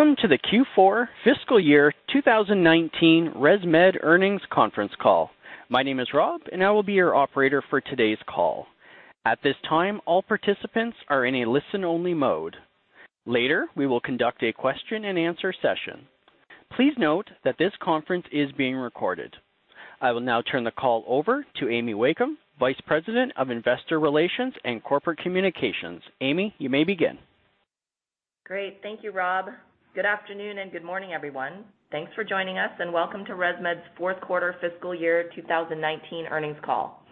Welcome to the Q4 fiscal year 2019 ResMed earnings conference call. My name is Rob, and I will be your operator for today's call. At this time, all participants are in a listen-only mode. Later, we will conduct a question and answer session. Please note that this conference is being recorded. I will now turn the call over to Amy Wakeham, Vice President of Investor Relations and Corporate Communications. Amy, you may begin. Great. Thank you, Rob. Good afternoon and good morning, everyone. Thanks for joining us, and welcome to ResMed's fourth quarter fiscal year 2019 earnings call.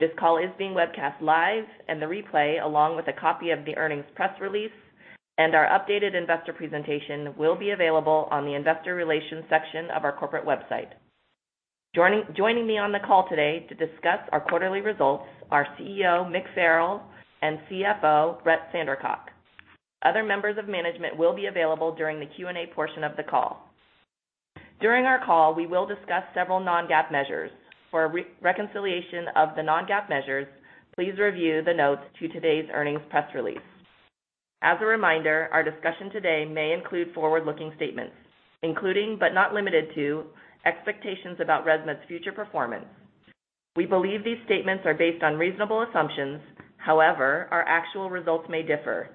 This call is being webcast live, and the replay, along with a copy of the earnings press release and our updated investor presentation, will be available on the investor relations section of our corporate website. Joining me on the call today to discuss our quarterly results are CEO Mick Farrell and CFO Brett Sandercock. Other members of management will be available during the Q&A portion of the call. During our call, we will discuss several non-GAAP measures. For a reconciliation of the non-GAAP measures, please review the notes to today's earnings press release. As a reminder, our discussion today may include forward-looking statements, including, but not limited to, expectations about ResMed's future performance. We believe these statements are based on reasonable assumptions. However, our actual results may differ.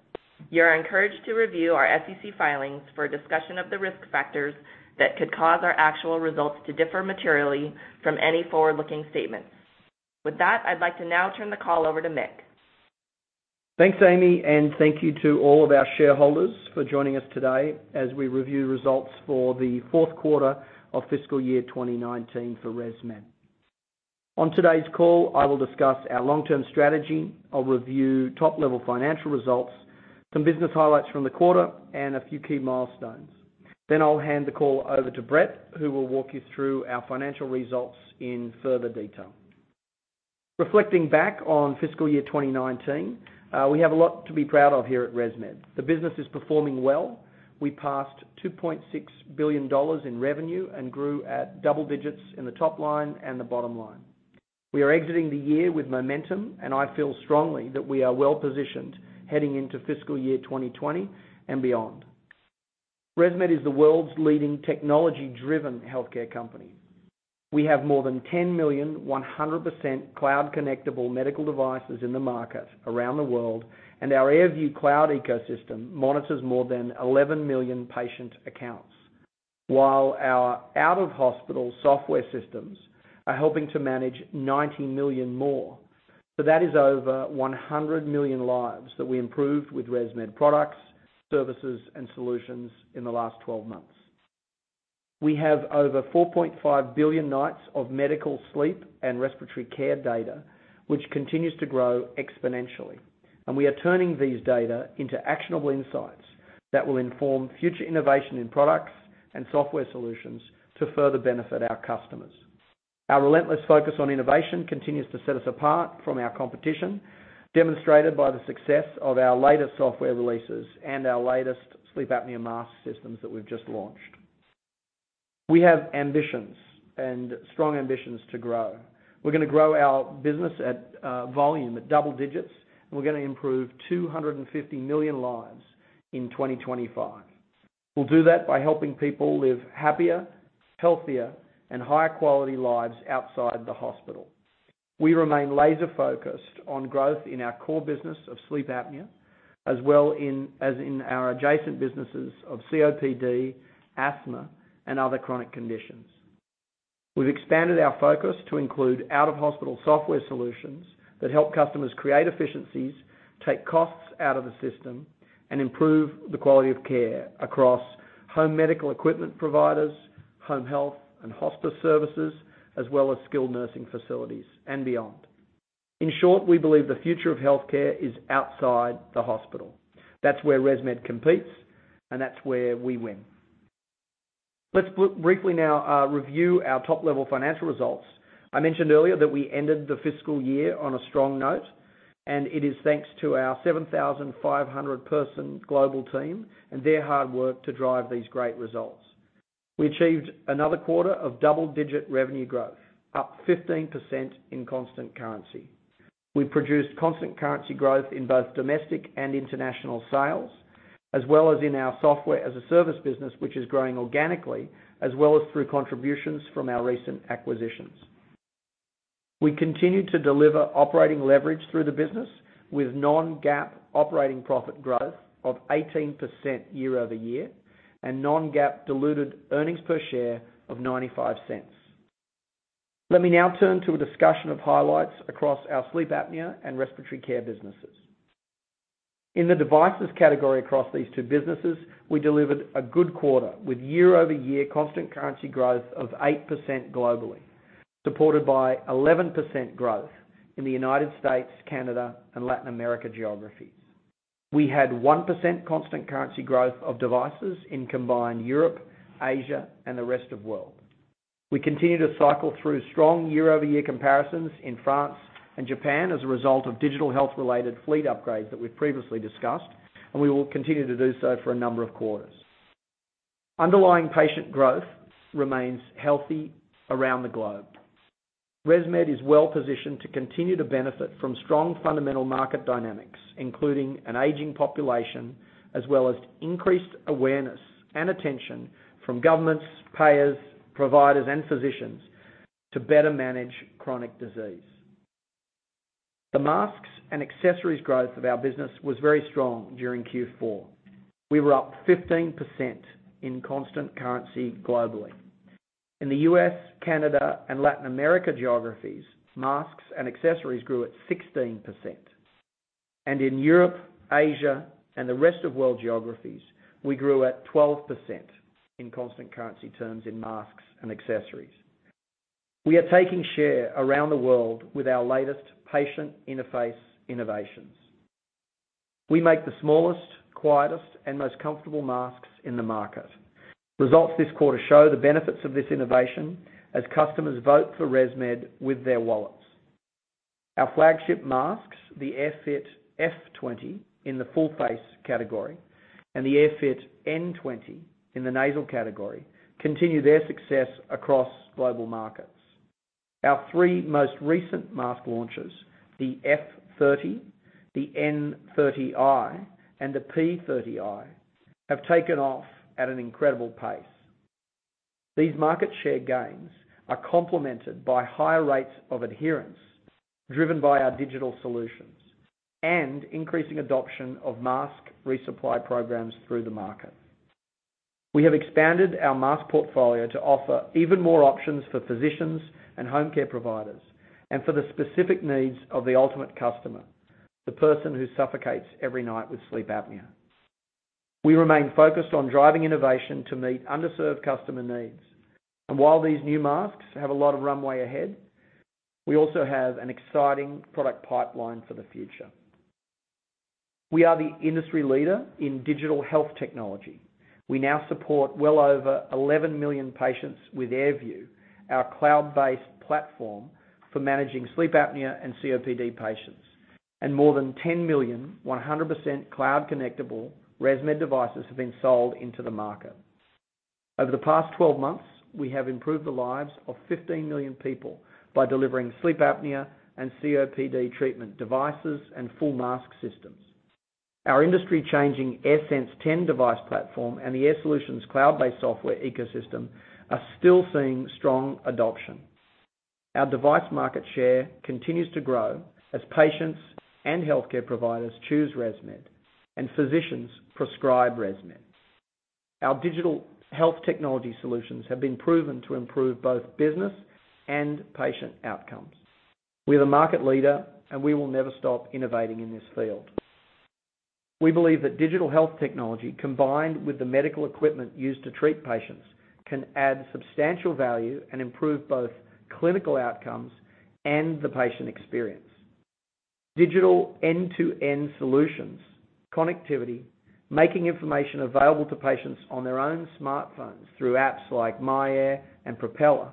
You are encouraged to review our SEC filings for a discussion of the risk factors that could cause our actual results to differ materially from any forward-looking statements. With that, I'd like to now turn the call over to Mick. Thanks, Amy, and thank you to all of our shareholders for joining us today as we review results for the fourth quarter of fiscal year 2019 for ResMed. On today's call, I will discuss our long-term strategy. I'll review top-level financial results, some business highlights from the quarter, and a few key milestones. I'll hand the call over to Brett, who will walk you through our financial results in further detail. Reflecting back on fiscal year 2019, we have a lot to be proud of here at ResMed. The business is performing well. We passed $2.6 billion in revenue and grew at double digits in the top line and the bottom line. We are exiting the year with momentum, and I feel strongly that we are well-positioned heading into fiscal year 2020 and beyond. ResMed is the world's leading technology-driven healthcare company. We have more than 10 million 100% cloud-connectable medical devices in the market around the world, and our AirView cloud ecosystem monitors more than 11 million patient accounts, while our out-of-hospital software systems are helping to manage 90 million more. That is over 100 million lives that we improved with ResMed products, services, and solutions in the last 12 months. We have over 4.5 billion nights of medical sleep and respiratory care data, which continues to grow exponentially. We are turning these data into actionable insights that will inform future innovation in products and software solutions to further benefit our customers. Our relentless focus on innovation continues to set us apart from our competition, demonstrated by the success of our latest software releases and our latest sleep apnea mask systems that we've just launched. We have ambitions, and strong ambitions to grow. We're going to grow our business at volume at double digits, and we're going to improve 250 million lives in 2025. We'll do that by helping people live happier, healthier, and higher quality lives outside the hospital. We remain laser-focused on growth in our core business of sleep apnea, as well as in our adjacent businesses of COPD, asthma, and other chronic conditions. We've expanded our focus to include out-of-hospital software solutions that help customers create efficiencies, take costs out of the system, and improve the quality of care across home medical equipment providers, home health, and hospice services, as well as skilled nursing facilities and beyond. In short, we believe the future of healthcare is outside the hospital. That's where ResMed competes, and that's where we win. Let's briefly now review our top-level financial results. I mentioned earlier that we ended the fiscal year on a strong note, it is thanks to our 7,500-person global team and their hard work to drive these great results. We achieved another quarter of double-digit revenue growth, up 15% in constant currency. We produced constant currency growth in both domestic and international sales, as well as in our software-as-a-service business, which is growing organically, as well as through contributions from our recent acquisitions. We continued to deliver operating leverage through the business with non-GAAP operating profit growth of 18% year-over-year and non-GAAP diluted earnings per share of $0.95. Let me now turn to a discussion of highlights across our sleep apnea and respiratory care businesses. In the devices category across these two businesses, we delivered a good quarter with year-over-year constant currency growth of 8% globally, supported by 11% growth in the United States, Canada, and Latin America geographies. We had 1% constant currency growth of devices in combined Europe, Asia, and the rest of world. We continue to cycle through strong year-over-year comparisons in France and Japan as a result of digital health-related fleet upgrades that we've previously discussed, and we will continue to do so for a number of quarters. Underlying patient growth remains healthy around the globe. ResMed is well-positioned to continue to benefit from strong fundamental market dynamics, including an aging population, as well as increased awareness and attention from governments, payers, providers, and physicians to better manage chronic disease. The masks and accessories growth of our business was very strong during Q4. We were up 15% in constant currency globally. In the U.S., Canada, and Latin America geographies, masks and accessories grew at 16%. In Europe, Asia, and the rest of world geographies, we grew at 12% in constant currency terms in masks and accessories. We are taking share around the world with our latest patient interface innovations. We make the smallest, quietest, and most comfortable masks in the market. Results this quarter show the benefits of this innovation as customers vote for ResMed with their wallets. Our flagship masks, the AirFit F20 in the full face category, and the AirFit N20 in the nasal category, continue their success across global markets. Our three most recent mask launches, the F30, the N30i, and the P30i, have taken off at an incredible pace. These market share gains are complemented by higher rates of adherence driven by our digital solutions and increasing adoption of mask resupply programs through the market. We have expanded our mask portfolio to offer even more options for physicians and home care providers and for the specific needs of the ultimate customer, the person who suffocates every night with sleep apnea. We remain focused on driving innovation to meet underserved customer needs. While these new masks have a lot of runway ahead, we also have an exciting product pipeline for the future. We are the industry leader in digital health technology. We now support well over 11 million patients with AirView, our cloud-based platform for managing sleep apnea and COPD patients. More than 10 million 100% cloud-connectable ResMed devices have been sold into the market. Over the past 12 months, we have improved the lives of 15 million people by delivering sleep apnea and COPD treatment devices and full mask systems. Our industry-changing AirSense 10 device platform and the AirSolutions cloud-based software ecosystem are still seeing strong adoption. Our device market share continues to grow as patients and healthcare providers choose ResMed and physicians prescribe ResMed. Our digital health technology solutions have been proven to improve both business and patient outcomes. We're a market leader, and we will never stop innovating in this field. We believe that digital health technology, combined with the medical equipment used to treat patients, can add substantial value and improve both clinical outcomes and the patient experience. Digital end-to-end solutions, connectivity, making information available to patients on their own smartphones through apps like myAir and Propeller,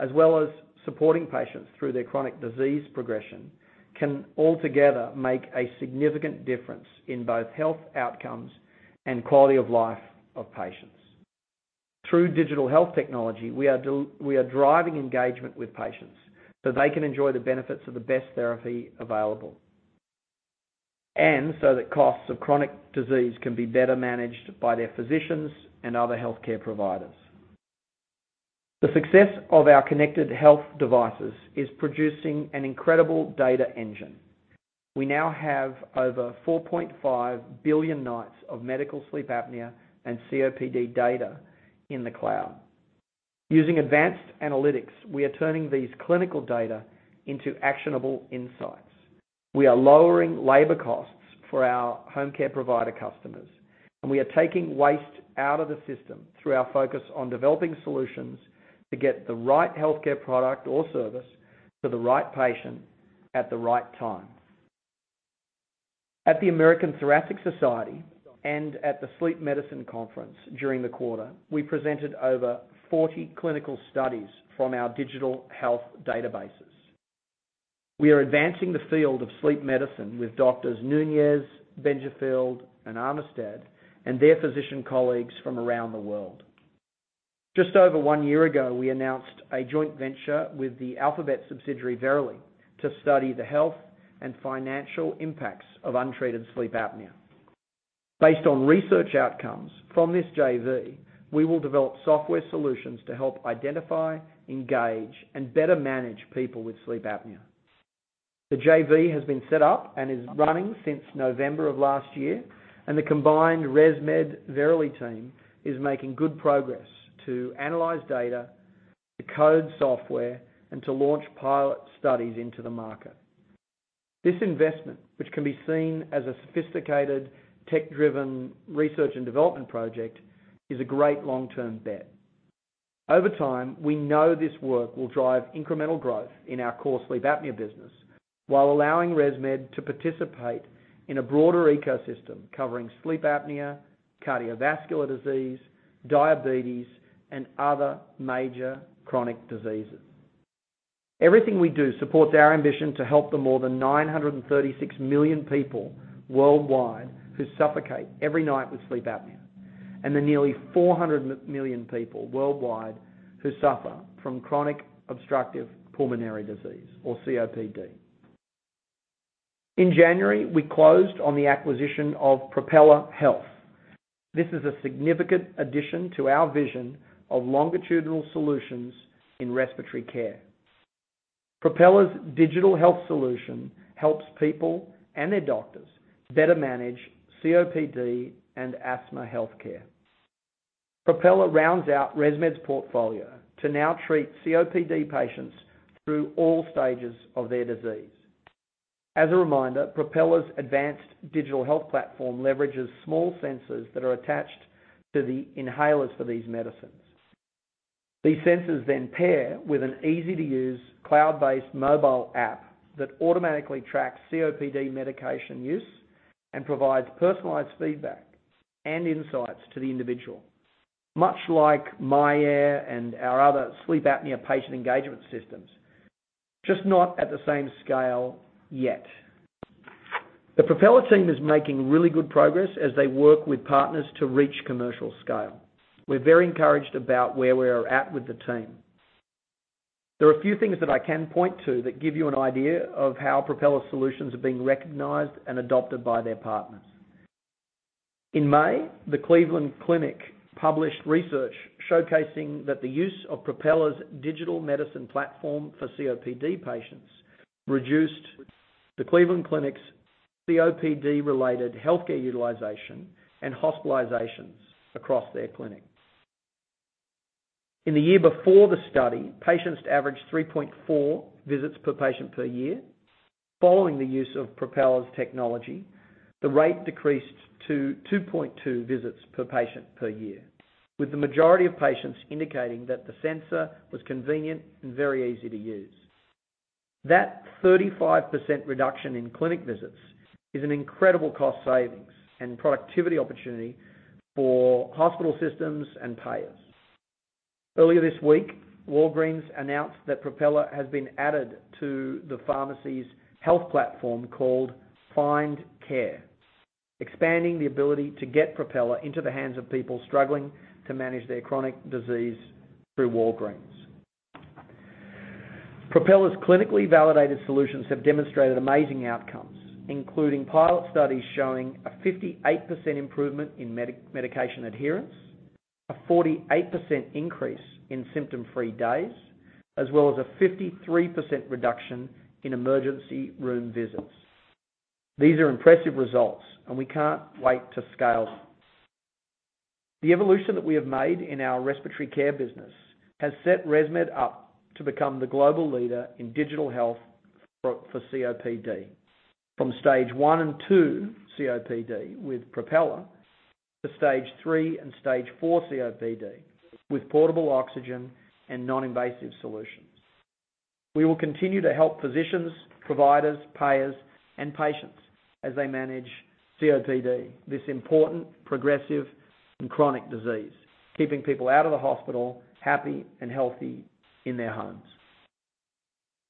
as well as supporting patients through their chronic disease progression, can altogether make a significant difference in both health outcomes and quality of life of patients. Through digital health technology, we are driving engagement with patients so they can enjoy the benefits of the best therapy available, and so that costs of chronic disease can be better managed by their physicians and other healthcare providers. The success of our connected health devices is producing an incredible data engine. We now have over 4.5 billion nights of medical sleep apnea and COPD data in the cloud. Using advanced analytics, we are turning these clinical data into actionable insights. We are lowering labor costs for our home care provider customers, and we are taking waste out of the system through our focus on developing solutions to get the right healthcare product or service to the right patient at the right time. At the American Thoracic Society and at the Sleep Medicine Conference during the quarter, we presented over 40 clinical studies from our digital health databases. We are advancing the field of sleep medicine with Doctors Nunez, Benjafield, and Armitstead and their physician colleagues from around the world. Just over one year ago, we announced a joint venture with the Alphabet subsidiary, Verily, to study the health and financial impacts of untreated sleep apnea. Based on research outcomes from this JV, we will develop software solutions to help identify, engage, and better manage people with sleep apnea. The JV has been set up and is running since November of last year, the combined ResMed Verily team is making good progress to analyze data, to code software, and to launch pilot studies into the market. This investment, which can be seen as a sophisticated, tech-driven research and development project, is a great long-term bet. Over time, we know this work will drive incremental growth in our core sleep apnea business while allowing ResMed to participate in a broader ecosystem covering sleep apnea, cardiovascular disease, diabetes, and other major chronic diseases. Everything we do supports our ambition to help the more than 936 million people worldwide who suffocate every night with sleep apnea. The nearly 400 million people worldwide who suffer from chronic obstructive pulmonary disease, or COPD. In January, we closed on the acquisition of Propeller Health. This is a significant addition to our vision of longitudinal solutions in respiratory care. Propeller's digital health solution helps people and their doctors better manage COPD and asthma healthcare. Propeller rounds out ResMed's portfolio to now treat COPD patients through all stages of their disease. As a reminder, Propeller's advanced digital health platform leverages small sensors that are attached to the inhalers for these medicines. These sensors then pair with an easy-to-use cloud-based mobile app that automatically tracks COPD medication use and provides personalized feedback and insights to the individual, much like myAir and our other sleep apnea patient engagement systems, just not at the same scale yet. The Propeller team is making really good progress as they work with partners to reach commercial scale. We're very encouraged about where we are at with the team. There are a few things that I can point to that give you an idea of how Propeller solutions are being recognized and adopted by their partners. In May, the Cleveland Clinic published research showcasing that the use of Propeller's digital medicine platform for COPD patients reduced the Cleveland Clinic's COPD-related healthcare utilization and hospitalizations across their clinic. In the year before the study, patients averaged 3.4 visits per patient per year. Following the use of Propeller's technology, the rate decreased to 2.2 visits per patient per year, with the majority of patients indicating that the sensor was convenient and very easy to use. That 35% reduction in clinic visits is an incredible cost savings and productivity opportunity for hospital systems and payers. Earlier this week, Walgreens announced that Propeller has been added to the pharmacy's health platform called Find Care, expanding the ability to get Propeller into the hands of people struggling to manage their chronic disease through Walgreens. Propeller's clinically validated solutions have demonstrated amazing outcomes, including pilot studies showing a 58% improvement in medication adherence, a 48% increase in symptom-free days, as well as a 53% reduction in emergency room visits. These are impressive results, and we can't wait to scale them. The evolution that we have made in our respiratory care business has set ResMed up to become the global leader in digital health for COPD, from stage 1 and 2 COPD with Propeller to stage 3 and stage 4 COPD with portable oxygen and non-invasive solutions. We will continue to help physicians, providers, payers, and patients as they manage COPD, this important, progressive, and chronic disease, keeping people out of the hospital, happy and healthy in their homes.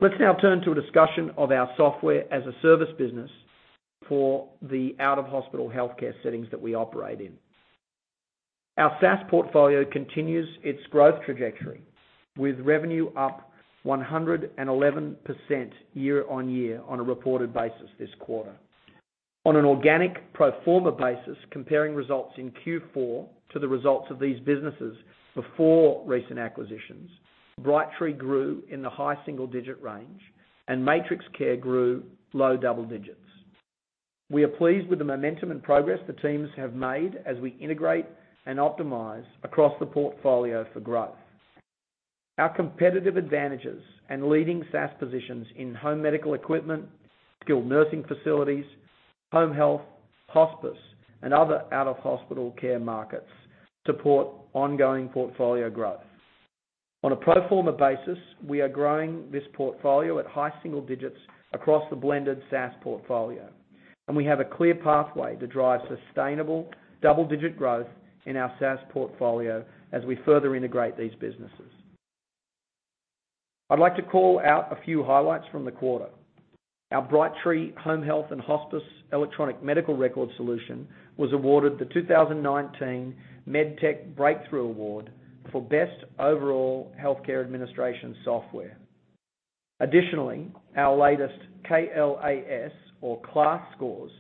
Let's now turn to a discussion of our Software-as-a-Service business for the out-of-hospital healthcare settings that we operate in. Our SaaS portfolio continues its growth trajectory, with revenue up 111% year-on-year on a reported basis this quarter. On an organic pro forma basis, comparing results in Q4 to the results of these businesses before recent acquisitions, Brightree grew in the high single-digit range and MatrixCare grew low double digits. We are pleased with the momentum and progress the teams have made as we integrate and optimize across the portfolio for growth. Our competitive advantages and leading SaaS positions in home medical equipment, skilled nursing facilities, home health, hospice, and other out-of-hospital care markets support ongoing portfolio growth. On a pro forma basis, we are growing this portfolio at high single digits across the blended SaaS portfolio, and we have a clear pathway to drive sustainable double-digit growth in our SaaS portfolio as we further integrate these businesses. I'd like to call out a few highlights from the quarter. Our Brightree Home Health and Hospice electronic medical record solution was awarded the 2019 MedTech Breakthrough Award for best overall healthcare administration software. Additionally, our latest K-L-A-S or KLAS scores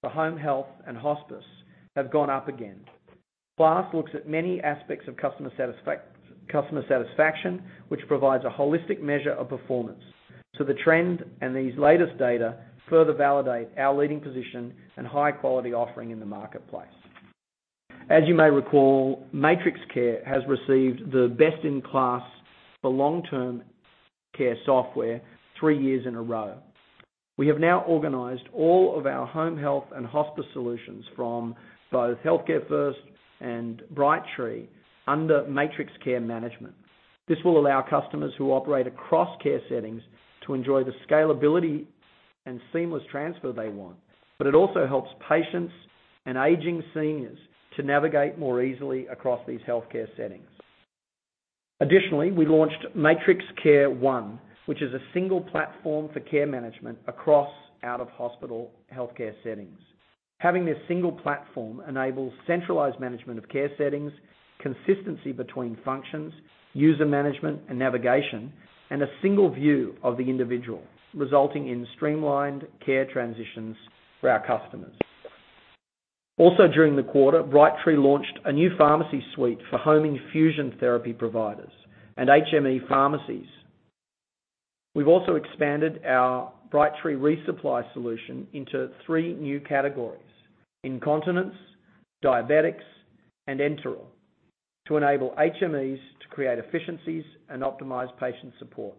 for home health and hospice have gone up again. KLAS looks at many aspects of customer satisfaction, which provides a holistic measure of performance. The trend and these latest data further validate our leading position and high-quality offering in the marketplace. As you may recall, MatrixCare has received the Best in KLAS for long-term care software three years in a row. We have now organized all of our home health and hospice solutions from both HEALTHCAREfirst and Brightree under MatrixCare management. This will allow customers who operate across care settings to enjoy the scalability and seamless transfer they want, it also helps patients and aging seniors to navigate more easily across these healthcare settings. Additionally, we launched MatrixCare One, which is a single platform for care management across out-of-hospital healthcare settings. Having this single platform enables centralized management of care settings, consistency between functions, user management and navigation, and a single view of the individual, resulting in streamlined care transitions for our customers. During the quarter, Brightree launched a new pharmacy suite for home infusion therapy providers and HME pharmacies. We've also expanded our Brightree resupply solution into three new categories: incontinence, diabetics, and enteral, to enable HMEs to create efficiencies and optimize patient support.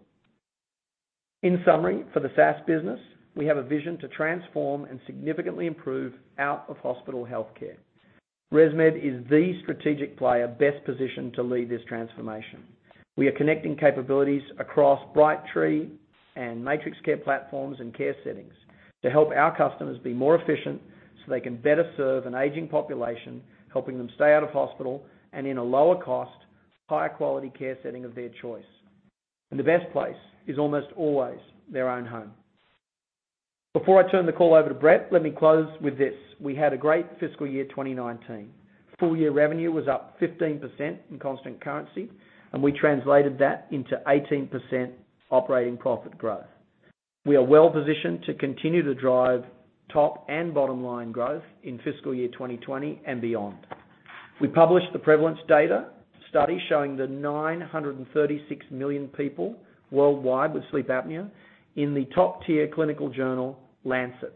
In summary, for the SaaS business, we have a vision to transform and significantly improve out-of-hospital healthcare. ResMed is the strategic player best positioned to lead this transformation. We are connecting capabilities across Brightree and MatrixCare platforms and care settings to help our customers be more efficient so they can better serve an aging population, helping them stay out of hospital and in a lower cost, higher quality care setting of their choice. The best place is almost always their own home. Before I turn the call over to Brett, let me close with this. We had a great fiscal year 2019. Full-year revenue was up 15% in constant currency, and we translated that into 18% operating profit growth. We are well-positioned to continue to drive top and bottom line growth in fiscal year 2020 and beyond. We published the prevalence data study showing the 936 million people worldwide with sleep apnea in the top-tier clinical journal, The Lancet.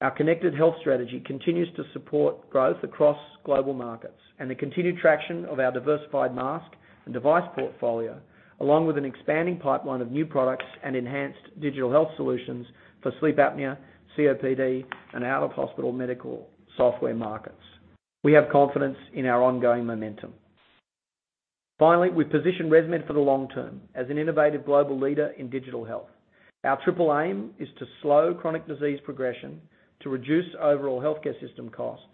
Our connected health strategy continues to support growth across global markets and the continued traction of our diversified mask and device portfolio, along with an expanding pipeline of new products and enhanced digital health solutions for sleep apnea, COPD, and out-of-hospital medical software markets. We have confidence in our ongoing momentum. We've positioned ResMed for the long term as an innovative global leader in digital health. Our triple aim is to slow chronic disease progression, to reduce overall healthcare system costs,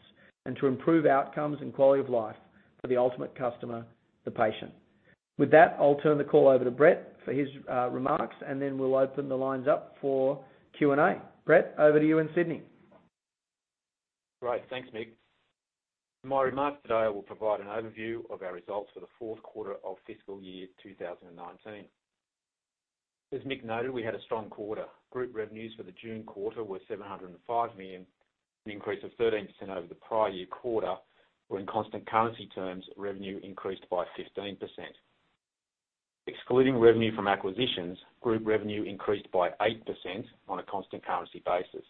and to improve outcomes and quality of life for the ultimate customer, the patient. With that, I'll turn the call over to Brett for his remarks, and then we'll open the lines up for Q&A. Brett, over to you in Sydney. Great. Thanks, Mick. In my remarks today, I will provide an overview of our results for the fourth quarter of fiscal year 2019. As Mick noted, we had a strong quarter. Group revenues for the June quarter were $705 million, an increase of 13% over the prior year quarter, where in constant currency terms, revenue increased by 15%. Excluding revenue from acquisitions, group revenue increased by 8% on a constant currency basis.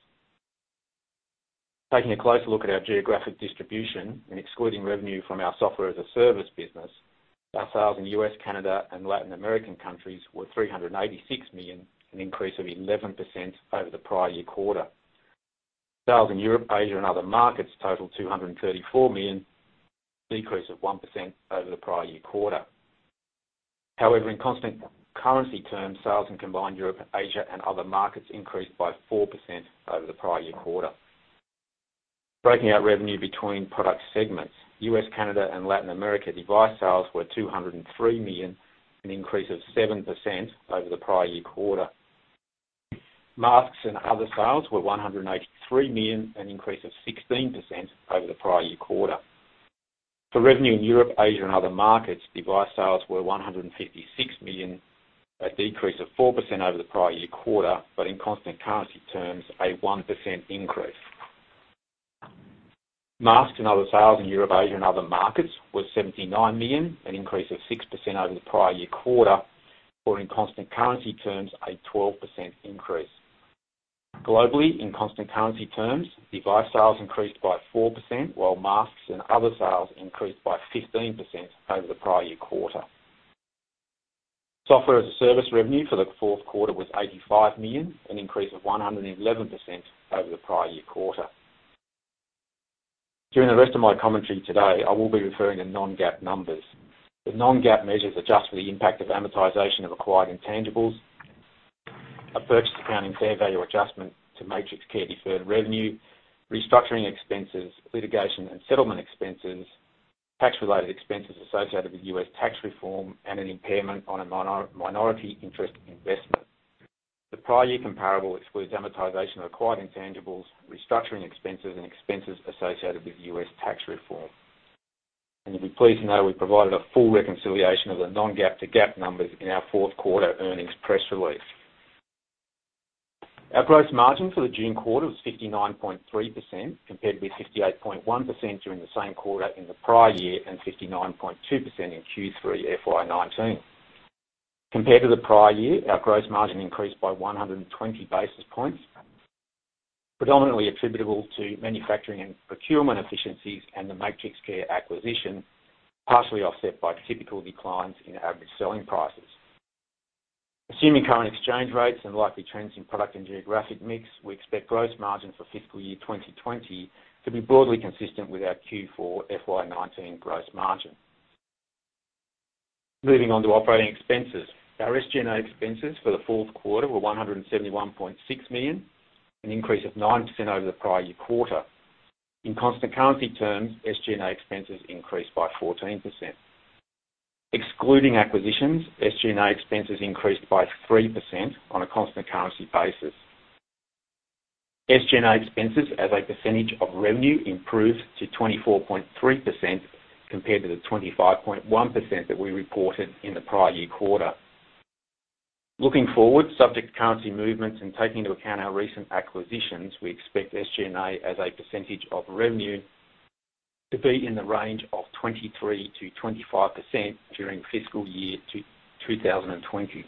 Taking a closer look at our geographic distribution and excluding revenue from our Software-as-a-Service business, our sales in U.S., Canada, and Latin American countries were $386 million, an increase of 11% over the prior year quarter. Sales in Europe, Asia, and other markets totaled $234 million, a decrease of 1% over the prior year quarter. However, in constant currency terms, sales in combined Europe, Asia, and other markets increased by 4% over the prior year quarter. Breaking out revenue between product segments, U.S., Canada, and Latin America device sales were $203 million, an increase of 7% over the prior year quarter. Masks and other sales were $183 million, an increase of 16% over the prior year quarter. For revenue in Europe, Asia, and other markets, device sales were $156 million, a decrease of 4% over the prior year quarter, but in constant currency terms, a 1% increase. Masks and other sales in Europe, Asia, and other markets was $79 million, an increase of 6% over the prior year quarter, or in constant currency terms, a 12% increase. Globally, in constant currency terms, device sales increased by 4%, while masks and other sales increased by 15% over the prior year quarter. Software-as-a-service revenue for the fourth quarter was $85 million, an increase of 111% over the prior year quarter. During the rest of my commentary today, I will be referring to non-GAAP numbers. The non-GAAP measures adjust for the impact of amortization of acquired intangibles, a purchase accounting fair value adjustment to MatrixCare deferred revenue, restructuring expenses, litigation and settlement expenses, tax-related expenses associated with U.S. tax reform, and an impairment on a minority interest investment. The prior year comparable excludes amortization of acquired intangibles, restructuring expenses, and expenses associated with U.S. tax reform. You'll be pleased to know we provided a full reconciliation of the non-GAAP to GAAP numbers in our fourth quarter earnings press release. Our gross margin for the June quarter was 59.3%, compared with 68.1% during the same quarter in the prior year and 59.2% in Q3 FY 2019. Compared to the prior year, our gross margin increased by 120 basis points, predominantly attributable to manufacturing and procurement efficiencies and the MatrixCare acquisition, partially offset by typical declines in average selling prices. Assuming current exchange rates and likely trends in product and geographic mix, we expect gross margin for fiscal year 2020 to be broadly consistent with our Q4 FY 2019 gross margin. Moving on to operating expenses. Our SG&A expenses for the fourth quarter were $171.6 million, an increase of 9% over the prior year quarter. In constant currency terms, SG&A expenses increased by 14%. Excluding acquisitions, SG&A expenses increased by 3% on a constant currency basis. SG&A expenses as a percentage of revenue improved to 24.3% compared to the 25.1% that we reported in the prior year quarter. Looking forward, subject to currency movements and taking into account our recent acquisitions, we expect SG&A as a percentage of revenue to be in the range of 23%-25% during fiscal year 2020.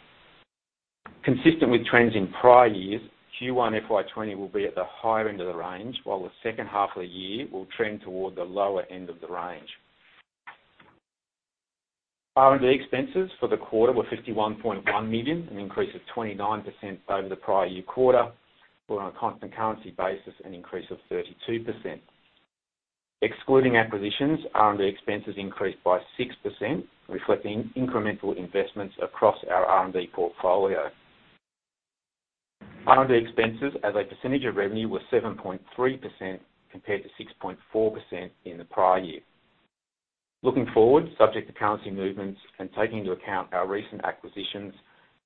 Consistent with trends in prior years, Q1 FY 2020 will be at the higher end of the range, while the second half of the year will trend toward the lower end of the range. R&D expenses for the quarter were $51.1 million, an increase of 29% over the prior year quarter, or on a constant currency basis, an increase of 32%. Excluding acquisitions, R&D expenses increased by 6%, reflecting incremental investments across our R&D portfolio. R&D expenses as a percentage of revenue were 7.3% compared to 6.4% in the prior year. Looking forward, subject to currency movements and taking into account our recent acquisitions,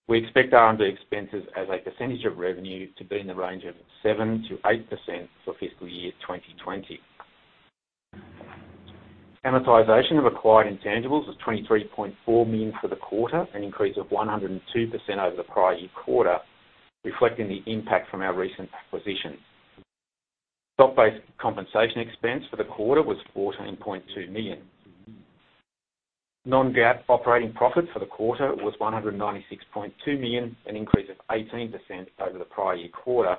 we expect R&D expenses as a percentage of revenue to be in the range of 7%-8% for fiscal year 2020. Amortization of acquired intangibles was $23.4 million for the quarter, an increase of 102% over the prior year quarter, reflecting the impact from our recent acquisitions. Stock-based compensation expense for the quarter was $14.2 million. Non-GAAP operating profit for the quarter was $196.2 million, an increase of 18% over the prior year quarter,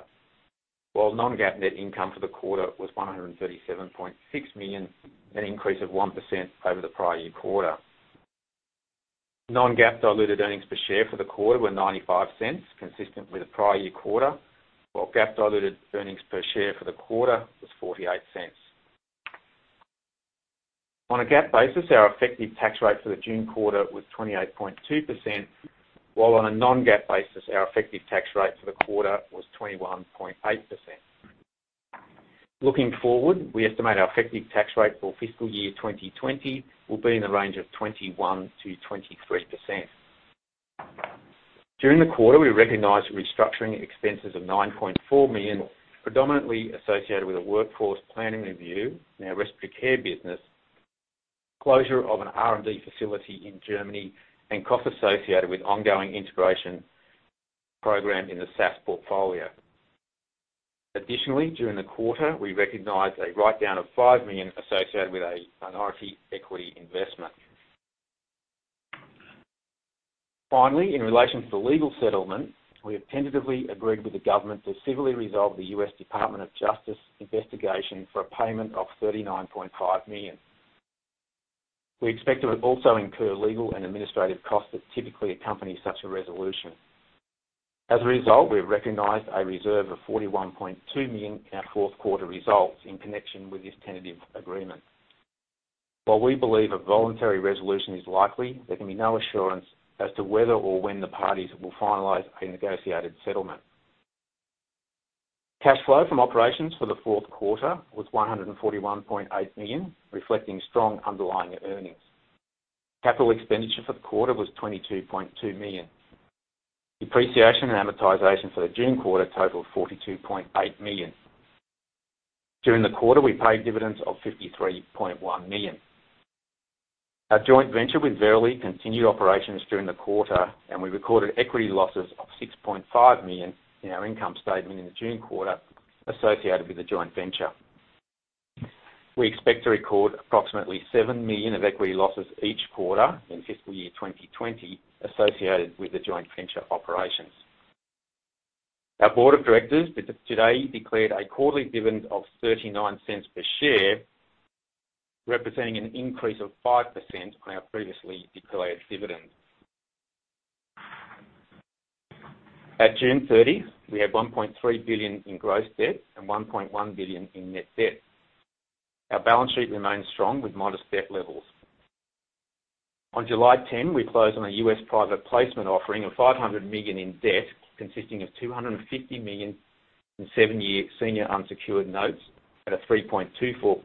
while non-GAAP net income for the quarter was $137.6 million, an increase of 1% over the prior year quarter. Non-GAAP diluted earnings per share for the quarter were $0.95, consistent with the prior year quarter, while GAAP diluted earnings per share for the quarter was $0.48. On a GAAP basis, our effective tax rate for the June quarter was 28.2%, while on a non-GAAP basis, our effective tax rate for the quarter was 21.8%. Looking forward, we estimate our effective tax rate for fiscal year 2020 will be in the range of 21%-23%. During the quarter, we recognized restructuring expenses of $9.4 million, predominantly associated with a workforce planning review in our respiratory care business, closure of an R&D facility in Germany, and costs associated with ongoing integration program in the SaaS portfolio. Additionally, during the quarter, we recognized a write-down of $5 million associated with a minority equity investment. Finally, in relation to the legal settlement, we have tentatively agreed with the government to civilly resolve the U.S. Department of Justice investigation for a payment of $39.5 million. We expect to also incur legal and administrative costs that typically accompany such a resolution. We have recognized a reserve of $41.2 million in our fourth quarter results in connection with this tentative agreement. We believe a voluntary resolution is likely, there can be no assurance as to whether or when the parties will finalize a negotiated settlement. Cash flow from operations for the fourth quarter was $141.8 million, reflecting strong underlying earnings. Capital expenditure for the quarter was $22.2 million. Depreciation and amortization for the June quarter totaled $42.8 million. During the quarter, we paid dividends of $53.1 million. Our joint venture with Verily continued operations during the quarter. We recorded equity losses of $6.5 million in our income statement in the June quarter associated with the joint venture. We expect to record approximately $7 million of equity losses each quarter in fiscal year 2020 associated with the joint venture operations. Our board of directors today declared a quarterly dividend of $0.39 per share, representing an increase of 5% on our previously declared dividend. At June 30, we had $1.3 billion in gross debt and $1.1 billion in net debt. Our balance sheet remains strong with modest debt levels. On July 10, we closed on a U.S. private placement offering of $500 million in debt, consisting of $250 million in 7-year senior unsecured notes at a 3.24%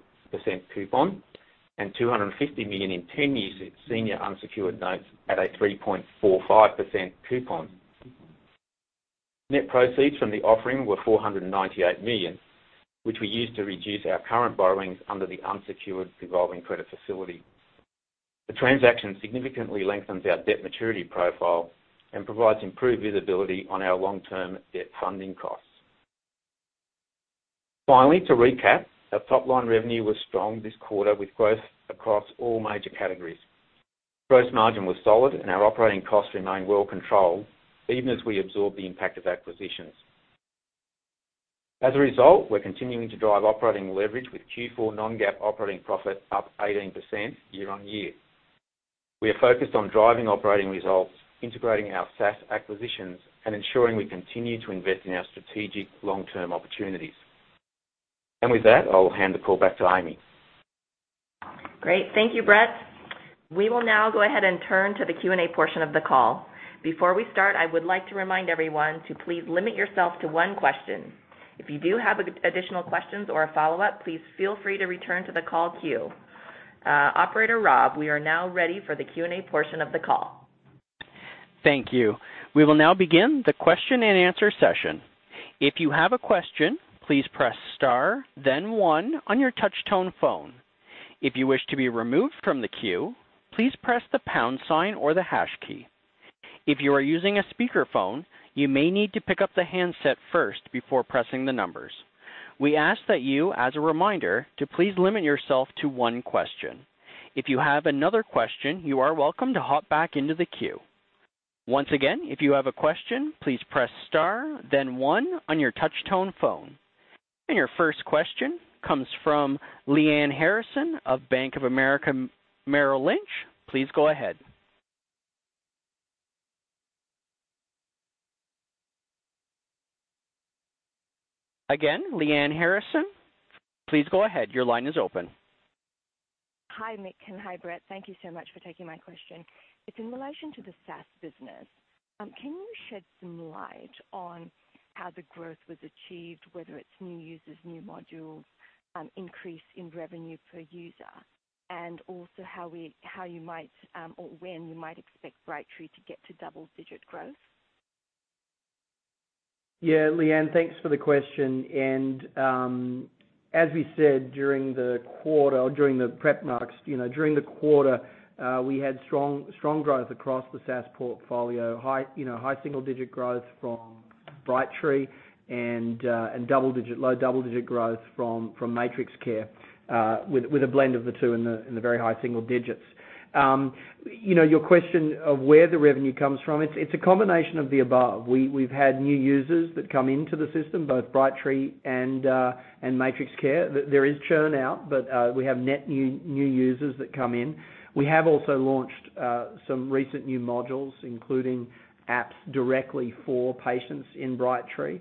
coupon, and $250 million in 10-year senior unsecured notes at a 3.45% coupon. Net proceeds from the offering were $498 million, which we used to reduce our current borrowings under the unsecured revolving credit facility. The transaction significantly lengthens our debt maturity profile and provides improved visibility on our long-term debt funding costs. Finally, to recap, our top-line revenue was strong this quarter with growth across all major categories. Gross margin was solid, our operating costs remain well controlled even as we absorb the impact of acquisitions. As a result, we're continuing to drive operating leverage with Q4 non-GAAP operating profit up 18% year-on-year. We are focused on driving operating results, integrating our SaaS acquisitions, and ensuring we continue to invest in our strategic long-term opportunities. With that, I'll hand the call back to Amy. Great. Thank you, Brett. We will now go ahead and turn to the Q&A portion of the call. Before we start, I would like to remind everyone to please limit yourself to one question. If you do have additional questions or a follow-up, please feel free to return to the call queue. Operator Rob, we are now ready for the Q&A portion of the call. Thank you. We will now begin the question and answer session. If you have a question, please press star then one on your touch-tone phone. If you wish to be removed from the queue, please press the pound sign or the hash key. If you are using a speakerphone, you may need to pick up the handset first before pressing the numbers. We ask that you, as a reminder, to please limit yourself to one question. If you have another question, you are welcome to hop back into the queue. Once again, if you have a question, please press star then one on your touch-tone phone. Your first question comes from Lyanne Harrison of Bank of America Merrill Lynch. Please go ahead. Again, Lyanne Harrison, please go ahead. Your line is open. Hi, Mick, and hi, Brett. Thank you so much for taking my question. It's in relation to the SaaS business. Can you shed some light on how the growth was achieved, whether it's new users, new modules, increase in revenue per user? Also how you might, or when you might expect Brightree to get to double-digit growth? Yeah. Lyanne, thanks for the question, and, as we said during the prep remarks, during the quarter, we had strong growth across the SaaS portfolio. High single-digit growth from Brightree and low double-digit growth from MatrixCare, with a blend of the two in the very high single-digits. Your question of where the revenue comes from, it's a combination of the above. We've had new users that come into the system, both Brightree and MatrixCare. There is churn-out, we have net new users that come in. We have also launched some recent new modules, including apps directly for patients in Brightree.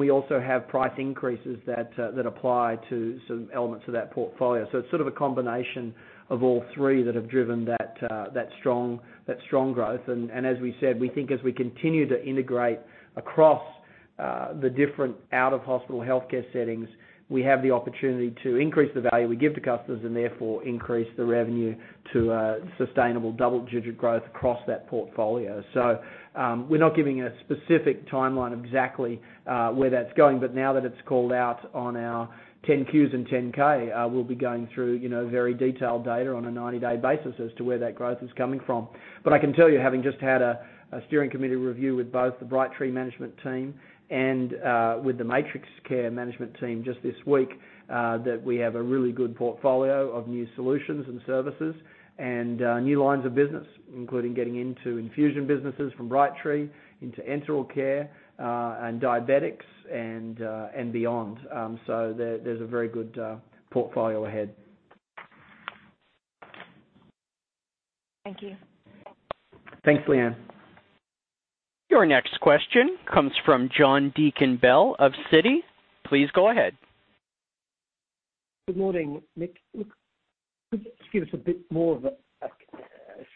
We also have price increases that apply to some elements of that portfolio. It's sort of a combination of all three that have driven that strong growth. As we said, we think as we continue to integrate across the different out-of-hospital healthcare settings, we have the opportunity to increase the value we give to customers and therefore increase the revenue to a sustainable double-digit growth across that portfolio. We're not giving a specific timeline of exactly where that's going, but now that it's called out on our 10-Qs and 10-K, we'll be going through very detailed data on a 90-day basis as to where that growth is coming from. I can tell you, having just had a steering committee review with both the Brightree management team and with the MatrixCare management team just this week, that we have a really good portfolio of new solutions and services and new lines of business, including getting into infusion businesses from Brightree into enteral care, and diabetics and beyond. There's a very good portfolio ahead. Thank you. Thanks, Lyanne. Your next question comes from John Deakin-Bell of Citi. Please go ahead. Good morning, Mick. Look, could you just give us a bit more of a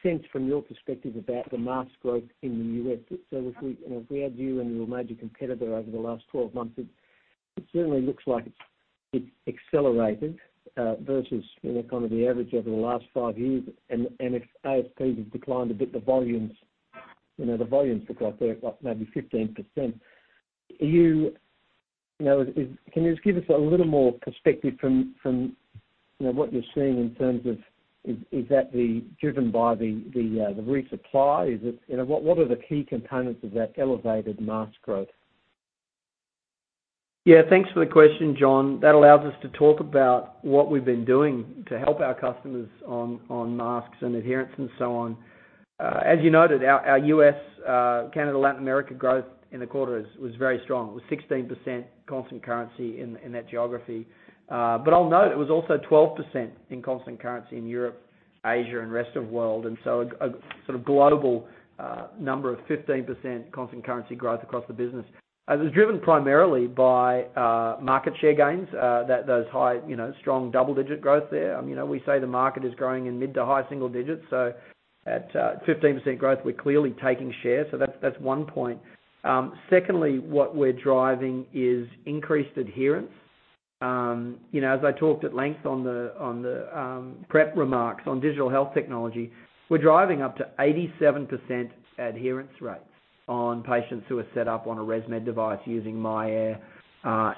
sense from your perspective about the mask growth in the U.S.? If we add you and your major competitor over the last 12 months, it certainly looks like it's accelerated, versus kind of the average over the last five years. If ASPs have declined a bit, the volumes look like they're up maybe 15%. Can you just give us a little more perspective from what you're seeing in terms of, is that driven by the resupply? What are the key components of that elevated mask growth? Yeah, thanks for the question, John. That allows us to talk about what we've been doing to help our customers on masks and adherence and so on. As you noted, our U.S., Canada, Latin America growth in the quarter was very strong. It was 16% constant currency in that geography. I'll note it was also 12% in constant currency in Europe, Asia, and rest of world, a sort of global number of 15% constant currency growth across the business. It was driven primarily by market share gains, those high, strong double-digit growth there. We say the market is growing in mid to high single digits, at 15% growth, we're clearly taking share. That's one point. Secondly, what we're driving is increased adherence. As I talked at length on the prep remarks on digital health technology, we're driving up to 87% adherence rates on patients who are set up on a ResMed device using myAir,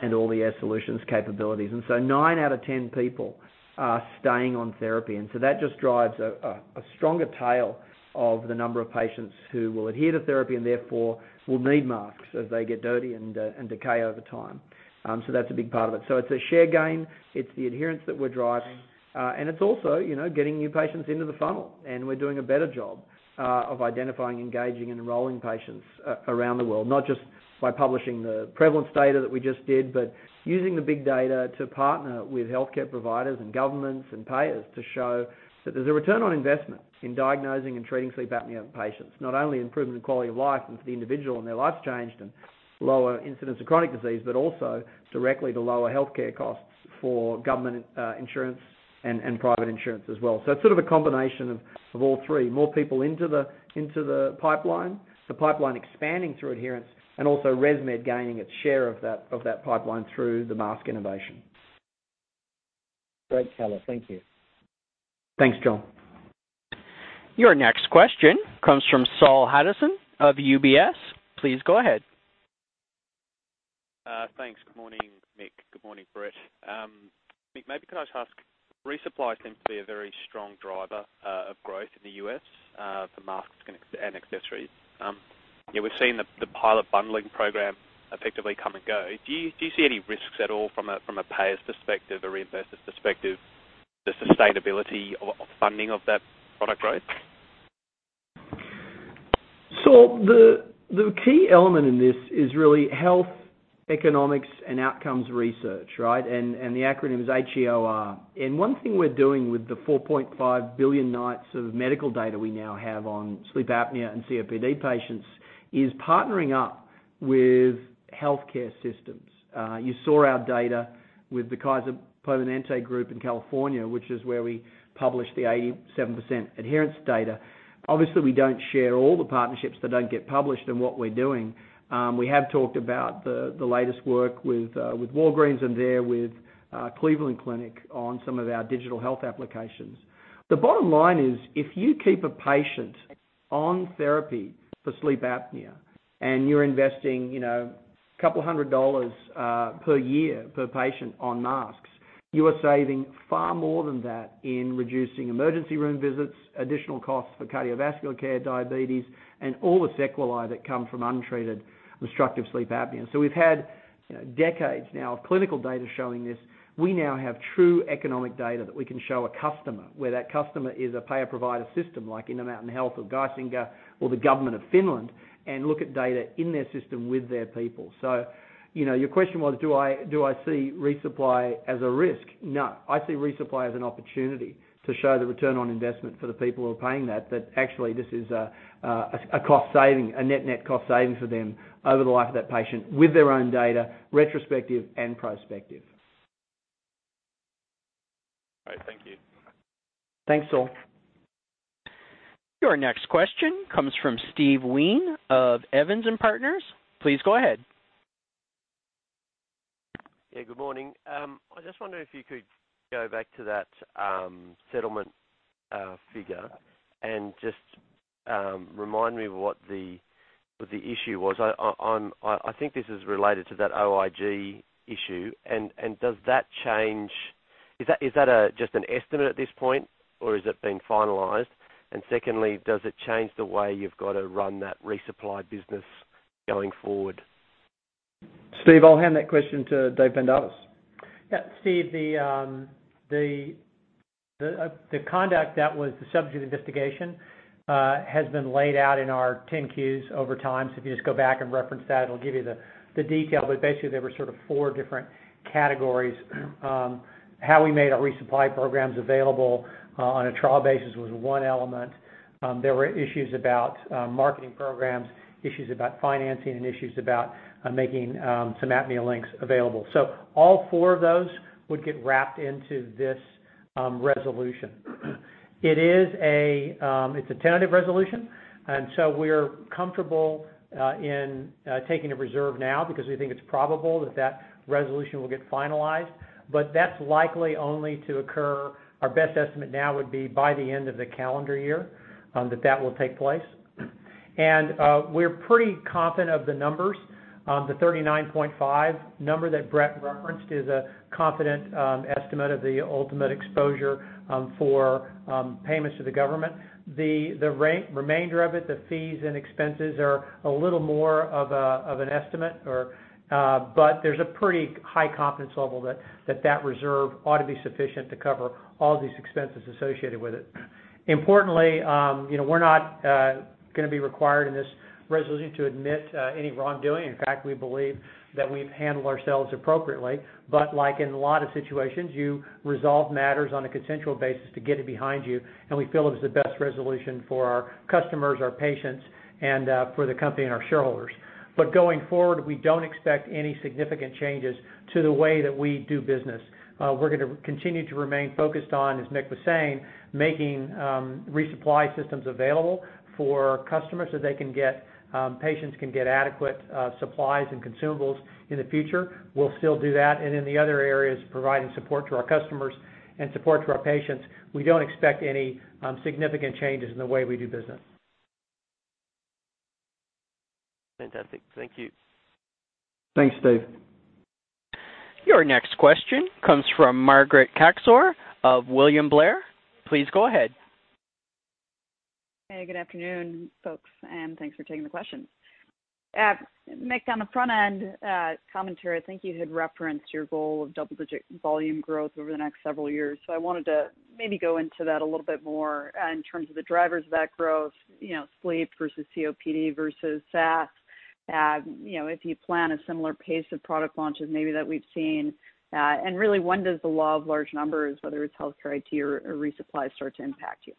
and all the AirSolutions capabilities. Nine out of 10 people are staying on therapy, and so that just drives a stronger tail of the number of patients who will adhere to therapy and therefore will need masks as they get dirty and decay over time. That's a big part of it. It's a share gain, it's the adherence that we're driving, and it's also getting new patients into the funnel. We're doing a better job of identifying, engaging, and enrolling patients around the world, not just by publishing the prevalence data that we just did, but using the big data to partner with healthcare providers and governments and payers to show that there's a return on investment in diagnosing and treating sleep apnea in patients. Not only improvement in quality of life and for the individual and their lives changed and lower incidence of chronic disease, but also directly to lower healthcare costs for government insurance and private insurance as well. It's sort of a combination of all three: more people into the pipeline, the pipeline expanding through adherence, and also ResMed gaining its share of that pipeline through the mask innovation. Great, Farrell. Thank you. Thanks, John. Your next question comes from Saul Hadassin of UBS. Please go ahead. Thanks. Good morning, Mick. Good morning, Brett. Mick, maybe can I just ask, resupply seems to be a very strong driver of growth in the U.S. for masks and accessories. We've seen the pilot bundling program effectively come and go. Do you see any risks at all from a payer's perspective, a reimburser's perspective, the sustainability of funding of that product growth? Saul, the key element in this is really health economics and outcomes research. The acronym is HEOR. One thing we're doing with the 4.5 billion nights of medical data we now have on sleep apnea and COPD patients, is partnering up with healthcare systems. You saw our data with the Kaiser Permanente group in California, which is where we published the 87% adherence data. Obviously, we don't share all the partnerships that don't get published and what we're doing. We have talked about the latest work with Walgreens and there with Cleveland Clinic on some of our digital health applications. The bottom line is, if you keep a patient on therapy for sleep apnea, and you're investing a couple of hundred dollars per year per patient on masks, you are saving far more than that in reducing emergency room visits, additional costs for cardiovascular care, diabetes, and all the sequelae that come from untreated obstructive sleep apnea. We've had decades now of clinical data showing this. We now have true economic data that we can show a customer, where that customer is a payer-provider system like Intermountain Health or Geisinger or the government of Finland, and look at data in their system with their people. Your question was, do I see resupply as a risk? No, I see return on investment for the people who are paying that actually this is a net cost saving for them over the life of that patient with their own data, retrospective and prospective. All right. Thank you. Thanks, Saul. Your next question comes from Steve Wheen of Evans & Partners. Please go ahead. Yeah, good morning. I just wonder if you could go back to that settlement figure and just remind me what the issue was. I think this is related to that OIG issue. Is that just an estimate at this point, or has it been finalized? Secondly, does it change the way you've got to run that resupply business going forward? Steve, I'll hand that question to Dave Pendarvis. Steve, the conduct that was the subject of the investigation, has been laid out in our 10-Qs over time. If you just go back and reference that, it'll give you the detail. Basically, there were sort of four different categories. How we made our resupply programs available on a trial basis was one element. There were issues about marketing programs, issues about financing, and issues about making some ApneaLink available. All four of those would get wrapped into this resolution. It's a tentative resolution, we're comfortable in taking a reserve now because we think it's probable that that resolution will get finalized, that's likely only to occur, our best estimate now would be by the end of the calendar year, that that will take place. We're pretty confident of the numbers. The $39.5 number that Brett referenced is a confident estimate of the ultimate exposure for payments to the government. The remainder of it, the fees and expenses are a little more of an estimate. There's a pretty high confidence level that reserve ought to be sufficient to cover all these expenses associated with it. Importantly, we're not going to be required in this resolution to admit any wrongdoing. In fact, we believe that we've handled ourselves appropriately. Like in a lot of situations, you resolve matters on a consensual basis to get it behind you, and we feel it was the best resolution for our customers, our patients, and for the company and our shareholders. Going forward, we don't expect any significant changes to the way that we do business. We're going to continue to remain focused on, as Mick was saying, making resupply systems available for customers so patients can get adequate supplies and consumables in the future. We'll still do that, and in the other areas, providing support to our customers and support to our patients. We don't expect any significant changes in the way we do business. Fantastic. Thank you. Thanks, Steve. Your next question comes from Margaret Kaczor of William Blair. Please go ahead. Hey, good afternoon, folks, and thanks for taking the questions. Mick, on the front-end commentary, I think you had referenced your goal of double-digit volume growth over the next several years. I wanted to maybe go into that a little bit more in terms of the drivers of that growth, sleep versus COPD versus OSA. If you plan a similar pace of product launches, maybe that we've seen. Really when does the law of large numbers, whether it's healthcare IT or resupply, start to impact you?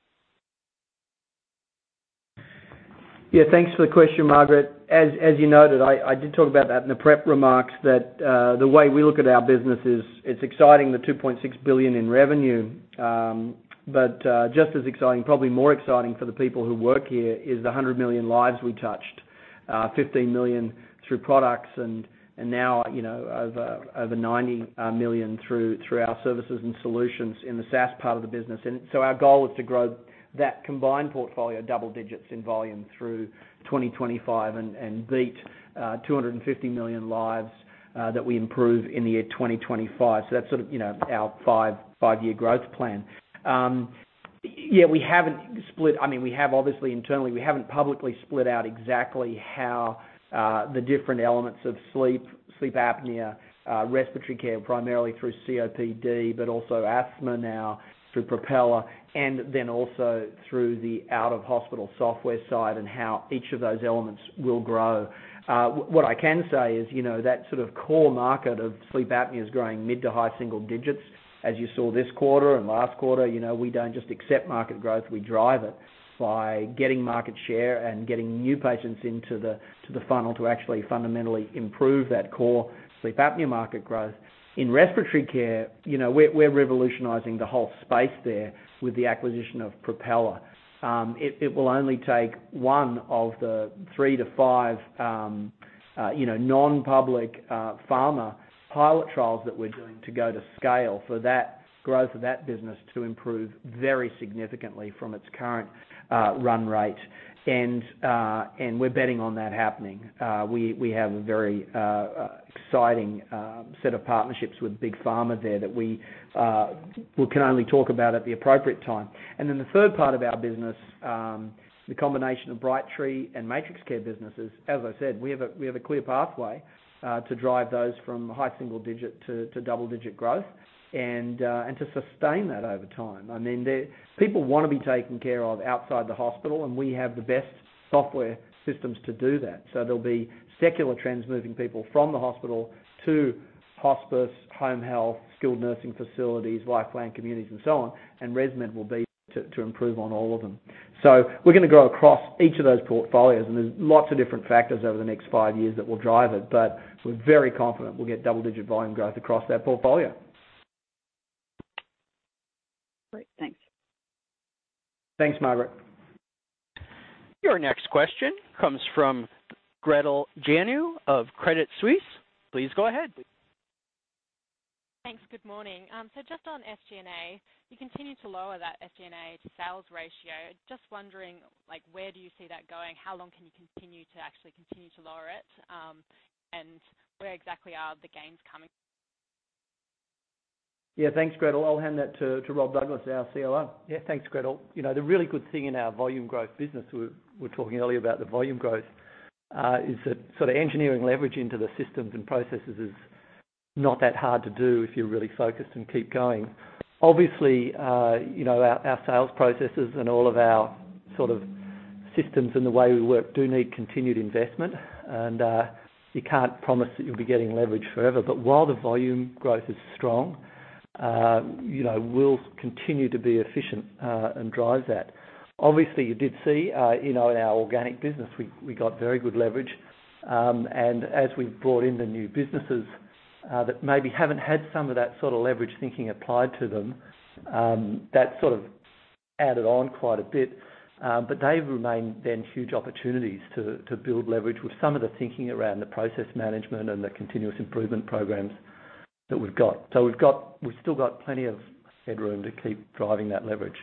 Yeah, thanks for the question, Margaret. As you noted, I did talk about that in the prep remarks, that the way we look at our business is, it's exciting the $2.6 billion in revenue. Just as exciting, probably more exciting for the people who work here is the 100 million lives we touched. 15 million through products and now over 90 million through our services and solutions in the SaaS part of the business. Our goal is to grow that combined portfolio double digits in volume through 2025 and beat 250 million lives that we improve in the year 2025. That's sort of our five-year growth plan. Yeah, we haven't split. We have, obviously, internally. We haven't publicly split out exactly how the different elements of sleep apnea, respiratory care, primarily through COPD, but also asthma now through Propeller, and then also through the out-of-hospital software side and how each of those elements will grow. What I can say is that sort of core market of sleep apnea is growing mid to high single digits, as you saw this quarter and last quarter. We don't just accept market growth. We drive it by getting market share and getting new patients into the funnel to actually fundamentally improve that core sleep apnea market growth. In respiratory care, we're revolutionizing the whole space there with the acquisition of Propeller. It will only take one of the three to five non-public pharma pilot trials that we're doing to go to scale for that growth of that business to improve very significantly from its current run rate. We're betting on that happening. We have a very exciting set of partnerships with big pharma there that we can only talk about at the appropriate time. The third part of our business, the combination of Brightree and MatrixCare businesses. As I said, we have a clear pathway to drive those from high single-digit to double-digit growth and to sustain that over time. People want to be taken care of outside the hospital, we have the best software systems to do that. There'll be secular trends moving people from the hospital to hospice, home health, skilled nursing facilities, life plan communities, and so on, ResMed will be there to improve on all of them. We're going to grow across each of those portfolios, and there's lots of different factors over the next five years that will drive it. We're very confident we'll get double-digit volume growth across that portfolio. Great. Thanks. Thanks, Margaret. Your next question comes from Gretel Janu of Credit Suisse. Please go ahead. Thanks. Good morning. Just on SG&A, you continue to lower that SG&A to sales ratio. Just wondering, where do you see that going? How long can you continue to actually continue to lower it? Where exactly are the gains coming from? Yeah, thanks, Gretel. I'll hand that to Rob Douglas, our COO. Yeah, thanks, Gretel. The really good thing in our volume growth business, we were talking earlier about the volume growth, is that sort of engineering leverage into the systems and processes is not that hard to do if you're really focused and keep going. Obviously, our sales processes and all of our sort of systems and the way we work do need continued investment, and you can't promise that you'll be getting leverage forever. While the volume growth is strong, we'll continue to be efficient and drive that. Obviously, you did see in our organic business, we got very good leverage. As we've brought in the new businesses that maybe haven't had some of that sort of leverage thinking applied to them, that sort of added on quite a bit. They've remained then huge opportunities to build leverage with some of the thinking around the process management and the continuous improvement programs that we've got. We've still got plenty of headroom to keep driving that leverage.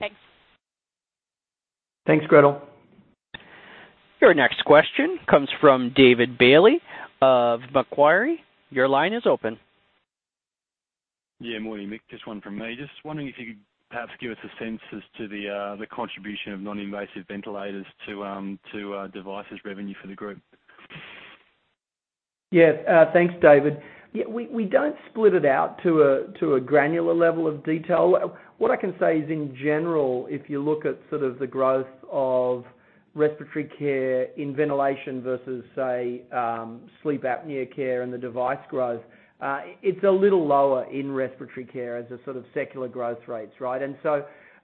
Thanks. Thanks, Gretel. Your next question comes from David Bailey of Macquarie. Your line is open. Yeah, morning, Mick. Just one from me. Just wondering if you could perhaps give us a sense as to the contribution of non-invasive ventilators to devices revenue for the group. Yeah. Thanks, David. We don't split it out to a granular level of detail. What I can say is, in general, if you look at sort of the growth of respiratory care in ventilation versus, say, sleep apnea care and the device growth, it's a little lower in respiratory care as a sort of secular growth rates, right?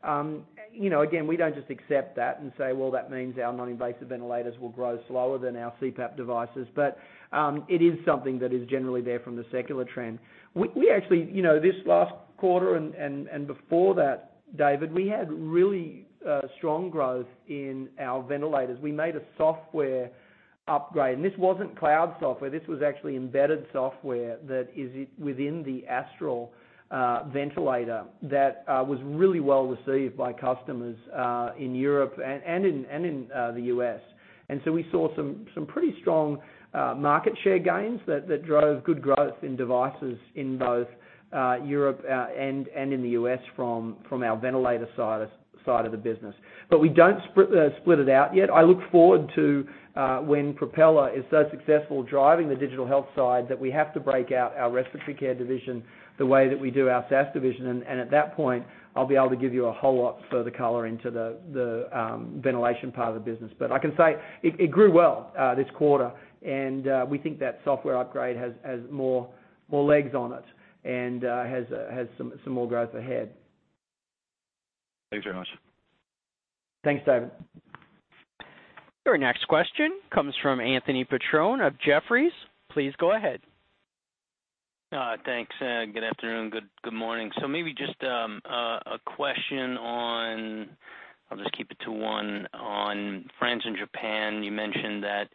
Again, we don't just accept that and say, "Well, that means our non-invasive ventilators will grow slower than our COPD devices." It is something that is generally there from the secular trend. We actually, this last quarter and before that, David, we had really strong growth in our ventilators. We made a software upgrade, and this wasn't cloud software. This was actually embedded software that is within the Astral ventilator that was really well received by customers, in Europe and in the U.S. We saw some pretty strong market share gains that drove good growth in devices in both Europe and in the U.S. from our ventilator side of the business. We don't split it out yet. I look forward to when Propeller is so successful driving the digital health side that we have to break out our respiratory care division the way that we do our SaaS division. At that point, I'll be able to give you a whole lot further color into the ventilation part of the business. I can say it grew well this quarter, and we think that software upgrade has more legs on it and has some more growth ahead. Thanks very much. Thanks, David. Your next question comes from Anthony Petrone of Jefferies. Please go ahead. Thanks. Good afternoon. Good morning. Maybe just a question on, I'll just keep it to one, on France and Japan. You mentioned that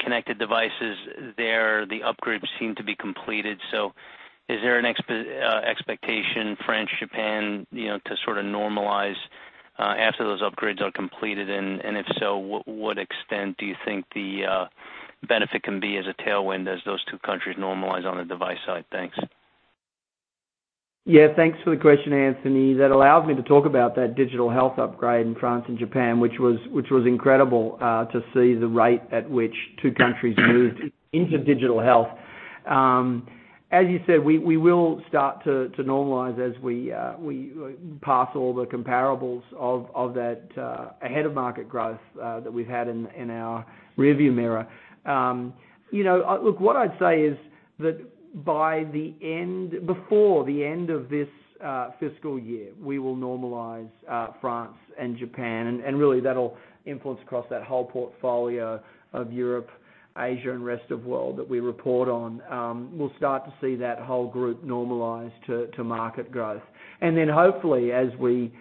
connected devices there, the upgrades seem to be completed. Is there an expectation, France, Japan, to sort of normalize after those upgrades are completed? If so, what extent do you think the benefit can be as a tailwind as those two countries normalize on the device side? Thanks. Thanks for the question, Anthony. That allows me to talk about that digital health upgrade in France and Japan, which was incredible to see the rate at which two countries moved into digital health. As you said, we will start to normalize as we pass all the comparables of that ahead-of-market growth, that we've had in our rear view mirror. What I'd say is that before the end of this fiscal year, we will normalize France and Japan, and really that'll influence across that whole portfolio of Europe, Asia, and rest of world that we report on. We'll start to see that whole group normalize to market growth. Hopefully, as we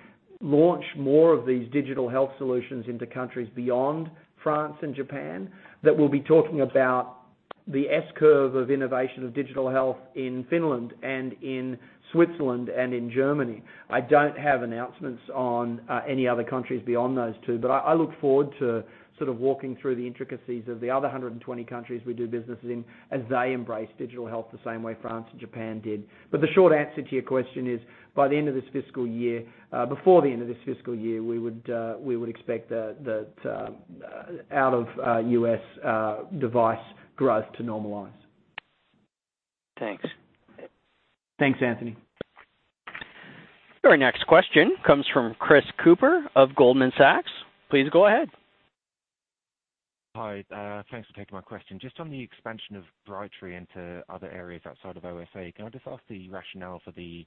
launch more of these digital health solutions into countries beyond France and Japan, that we'll be talking about the S-curve of innovation of digital health in Finland and in Switzerland and in Germany. I don't have announcements on any other countries beyond those two, but I look forward to sort of walking through the intricacies of the other 120 countries we do business in as they embrace digital health the same way France and Japan did. The short answer to your question is, by the end of this fiscal year, before the end of this fiscal year, we would expect that out of U.S. device growth to normalize. Thanks. Thanks, Anthony. Our next question comes from Chris Cooper of Goldman Sachs. Please go ahead. Hi. Thanks for taking my question. Just on the expansion of Brightree into other areas outside of OSA. Can I just ask the rationale for the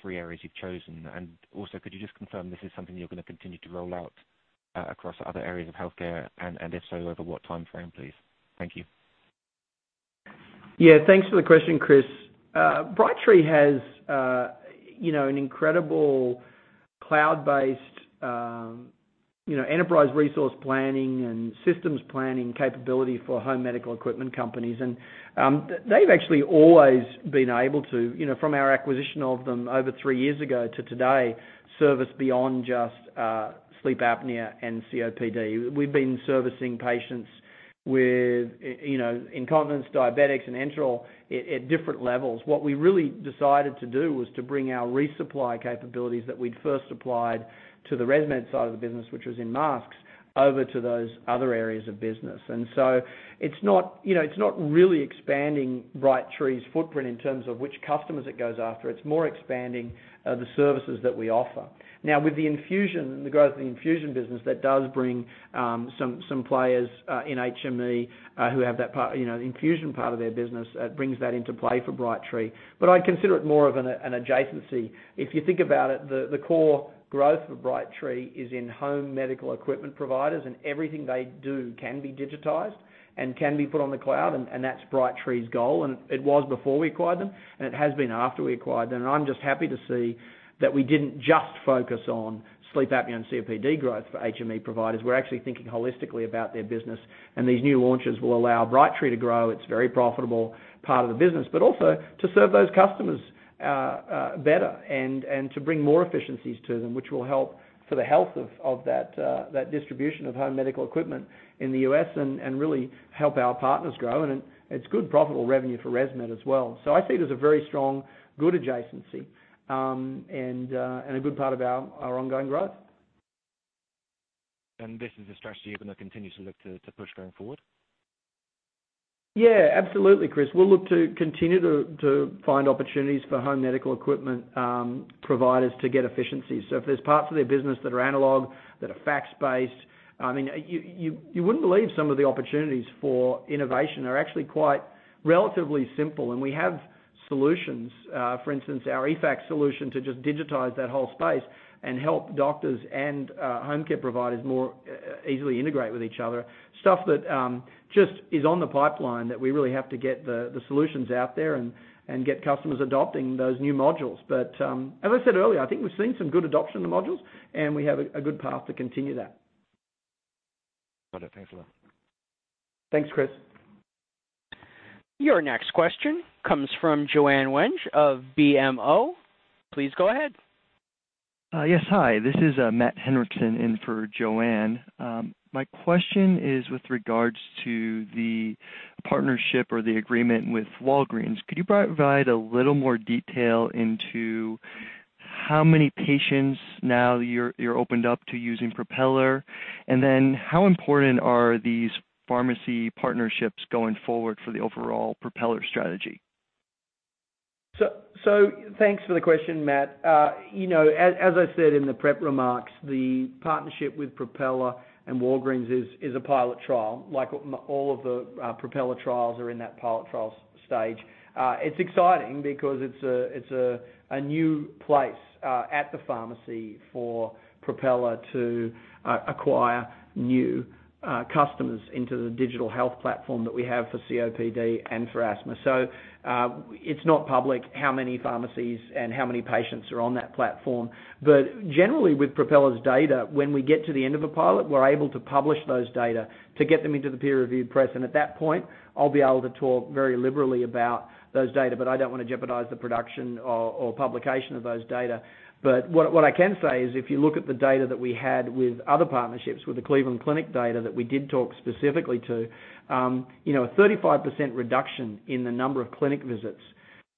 three areas you've chosen? Also, could you just confirm this is something you're going to continue to roll out, across other areas of healthcare? If so, over what timeframe, please? Thank you. Yeah. Thanks for the question, Chris. Brightree has an incredible cloud-based enterprise resource planning and systems planning capability for home medical equipment companies. They've actually always been able to, from our acquisition of them over three years ago to today, service beyond just sleep apnea and COPD. We've been servicing patients with incontinence, diabetics, and enteral at different levels. What we really decided to do was to bring our resupply capabilities that we'd first applied to the ResMed side of the business, which was in masks, over to those other areas of business. It's not really expanding Brightree's footprint in terms of which customers it goes after. It's more expanding the services that we offer. Now with the infusion and the growth of the infusion business, that does bring some players in HME who have that infusion part of their business. It brings that into play for Brightree. I consider it more of an adjacency. If you think about it, the core growth of Brightree is in home medical equipment providers, and everything they do can be digitized and can be put on the cloud, and that's Brightree's goal. It was before we acquired them, and it has been after we acquired them. I'm just happy to see that we didn't just focus on sleep apnea and COPD growth for HME providers. We're actually thinking holistically about their business, and these new launches will allow Brightree to grow its very profitable part of the business, but also to serve those customers better and to bring more efficiencies to them, which will help for the health of that distribution of home medical equipment in the U.S. and really help our partners grow. It's good profitable revenue for ResMed as well. I see it as a very strong, good adjacency, and a good part of our ongoing growth. This is a strategy you're going to continue to look to push going forward? Yeah, absolutely, Chris. We'll look to continue to find opportunities for home medical equipment providers to get efficiencies. If there's parts of their business that are analog, that are fax-based, you wouldn't believe some of the opportunities for innovation are actually quite relatively simple. We have solutions, for instance, our eFax solution, to just digitize that whole space and help doctors and home care providers more easily integrate with each other. Stuff that just is on the pipeline that we really have to get the solutions out there and get customers adopting those new modules. As I said earlier, I think we've seen some good adoption of the modules, and we have a good path to continue that. Got it. Thanks a lot. Thanks, Chris. Your next question comes from Joanne Wuensch of BMO. Please go ahead. Yes. Hi, this is Matt Henriksson in for Joanne. My question is with regards to the partnership or the agreement with Walgreens. Could you provide a little more detail into how many patients now you're opened up to using Propeller? How important are these pharmacy partnerships going forward for the overall Propeller strategy? Thanks for the question, Matt. As I said in the prep remarks, the partnership with Propeller and Walgreens is a pilot trial. All of the Propeller trials are in that pilot trial stage. It's exciting because it's a new place at the pharmacy for Propeller to acquire new customers into the digital health platform that we have for COPD and for asthma. It's not public how many pharmacies and how many patients are on that platform. Generally, with Propeller's data, when we get to the end of a pilot, we're able to publish those data to get them into the peer review press. At that point, I'll be able to talk very liberally about those data, but I don't want to jeopardize the production or publication of those data. What I can say is, if you look at the data that we had with other partnerships, with the Cleveland Clinic data that we did talk specifically to, a 35% reduction in the number of clinic visits,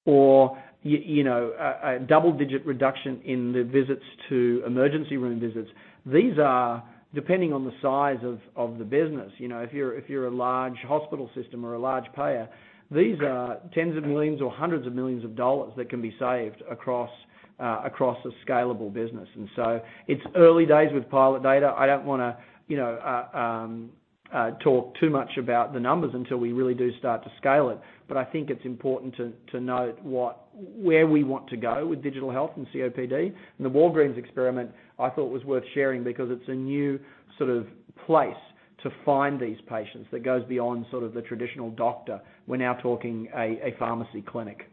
or a double-digit reduction in the visits to emergency room visits. These are depending on the size of the business. If you're a large hospital system or a large payer, these are tens of millions or hundreds of millions of dollars that can be saved across a scalable business. It's early days with pilot data. I don't want to talk too much about the numbers until we really do start to scale it. I think it's important to note where we want to go with digital health and COPD. The Walgreens experiment, I thought, was worth sharing because it's a new place to find these patients that goes beyond the traditional doctor. We're now talking a pharmacy clinic.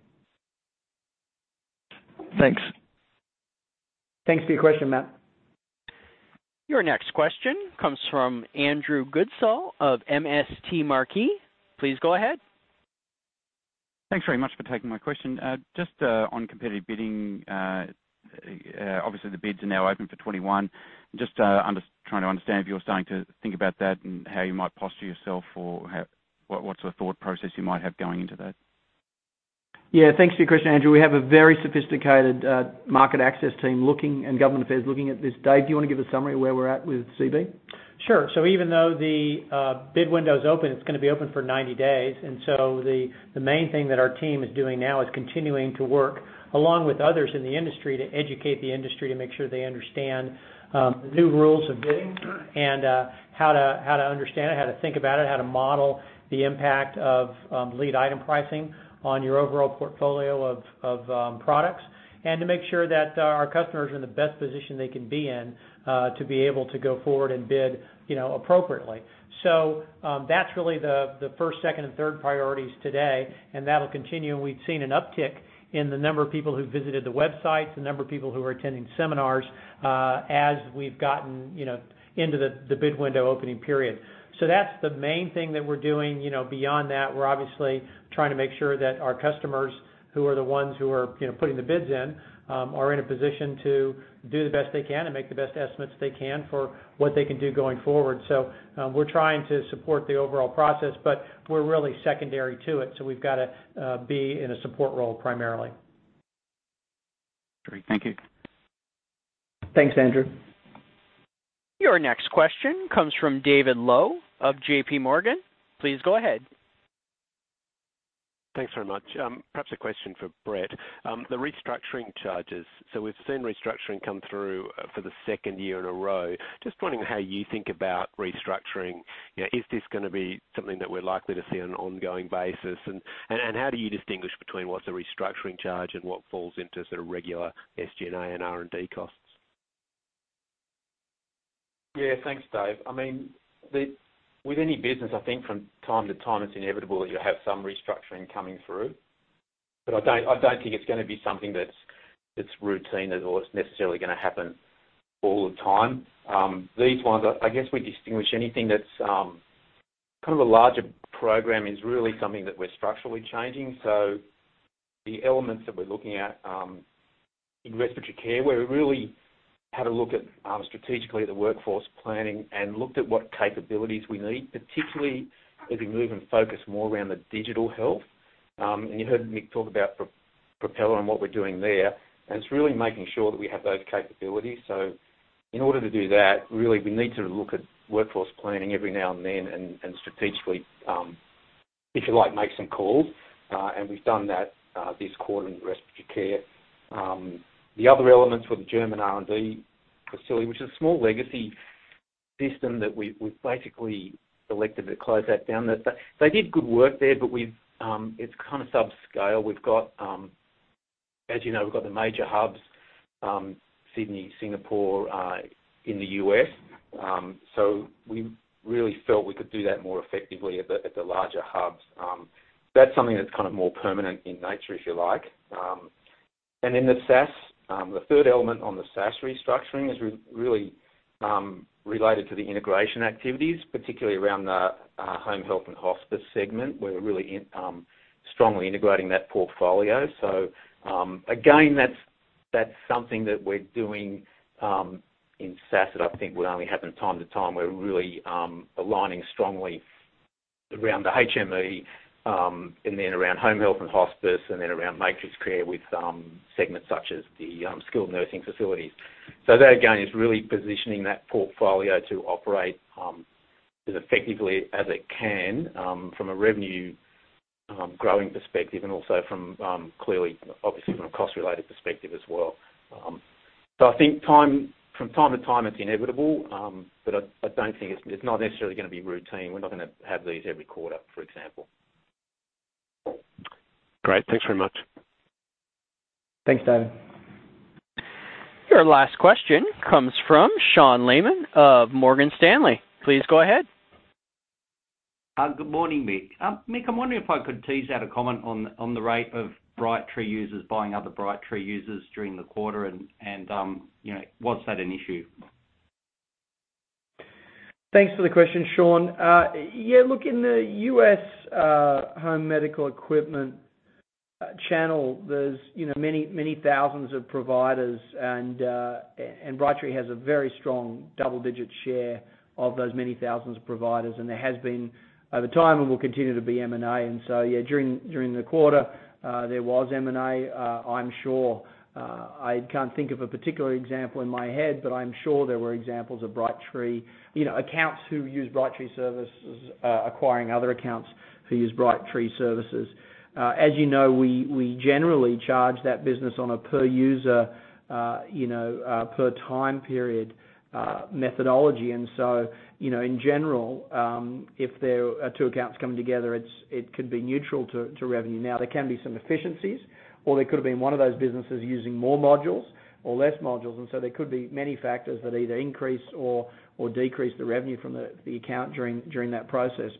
Thanks. Thanks for your question, Matt. Your next question comes from Andrew Goodsall of MST Marquee. Please go ahead. Thanks very much for taking my question. On Competitive Bidding, obviously the bids are now open for 2021. Trying to understand if you're starting to think about that and how you might posture yourself or what sort of thought process you might have going into that. Yeah. Thanks for your question, Andrew. We have a very sophisticated market access team looking, and government affairs looking at this data. Do you want to give a summary of where we're at with CB? Sure. Even though the bid window's open, it's going to be open for 90 days. The main thing that our team is doing now is continuing to work along with others in the industry to educate the industry to make sure they understand the new rules of bidding and how to understand it, how to think about it, how to model the impact of lead item pricing on your overall portfolio of products. To make sure that our customers are in the best position they can be in to be able to go forward and bid appropriately. That's really the first, second, and third priorities today, and that'll continue. We've seen an uptick in the number of people who visited the website, the number of people who are attending seminars, as we've gotten into the bid window opening period. That's the main thing that we're doing. Beyond that, we're obviously trying to make sure that our customers, who are the ones who are putting the bids in, are in a position to do the best they can and make the best estimates they can for what they can do going forward. We're trying to support the overall process, but we're really secondary to it, so we've got to be in a support role primarily. Great. Thank you. Thanks, Andrew. Your next question comes from David Low of JPMorgan. Please go ahead. Thanks very much. Perhaps a question for Brett. The restructuring charges. We've seen restructuring come through for the second year in a row. Just wondering how you think about restructuring. Is this going to be something that we're likely to see on an ongoing basis? How do you distinguish between what's a restructuring charge and what falls into sort of regular SG&A and R&D costs? Thanks, Dave. With any business, I think from time-to-time, it's inevitable that you'll have some restructuring coming through. I don't think it's going to be something that's routine at all. It's necessarily going to happen all the time. These ones, I guess we distinguish anything that's kind of a larger program is really something that we're structurally changing. The elements that we're looking at in respiratory care, where we really had a look at strategically the workforce planning and looked at what capabilities we need, particularly as we move and focus more around the digital health. You heard Mick talk about Propeller and what we're doing there, and it's really making sure that we have those capabilities. In order to do that, really, we need to look at workforce planning every now and then and strategically, if you like, make some calls. We've done that this quarter in respiratory care. The other elements were the German R&D facility, which is a small legacy system that we've basically elected to close that down. They did good work there, but it's kind of subscale. As you know, we've got the major hubs, Sydney, Singapore, in the U.S. We really felt we could do that more effectively at the larger hubs. That's something that's kind of more permanent in nature, if you like. The third element on the SaaS restructuring is really related to the integration activities, particularly around the home health and hospice segment. We're really strongly integrating that portfolio. Again, that's something that we're doing in SaaS that I think will only happen time to time. We're really aligning strongly around the HME, and then around home health and hospice, and then around MatrixCare with segments such as the skilled nursing facilities. That, again, is really positioning that portfolio to operate As effectively as it can from a revenue, growing perspective and also from, clearly, obviously, from a cost-related perspective as well. I think from time to time, it's inevitable, but I don't think it's not necessarily going to be routine. We're not going to have these every quarter, for example. Great. Thanks very much. Thanks, David. Your last question comes from Sean Laaman of Morgan Stanley. Please go ahead. Good morning, Mick. Mick, I'm wondering if I could tease out a comment on the rate of Brightree users buying other Brightree users during the quarter and, was that an issue? Thanks for the question, Sean. Yeah, look, in the U.S. home medical equipment channel, there's many thousands of providers and Brightree has a very strong double-digit share of those many thousands of providers, and there has been over time and will continue to be M&A. Yeah, during the quarter, there was M&A. I can't think of a particular example in my head, but I'm sure there were examples of accounts who use Brightree services acquiring other accounts who use Brightree services. As you know, we generally charge that business on a per user, per time period, methodology. In general, if there are two accounts coming together, it could be neutral to revenue. There can be some efficiencies, or there could have been one of those businesses using more modules or less modules, and so there could be many factors that either increase or decrease the revenue from the account during that process.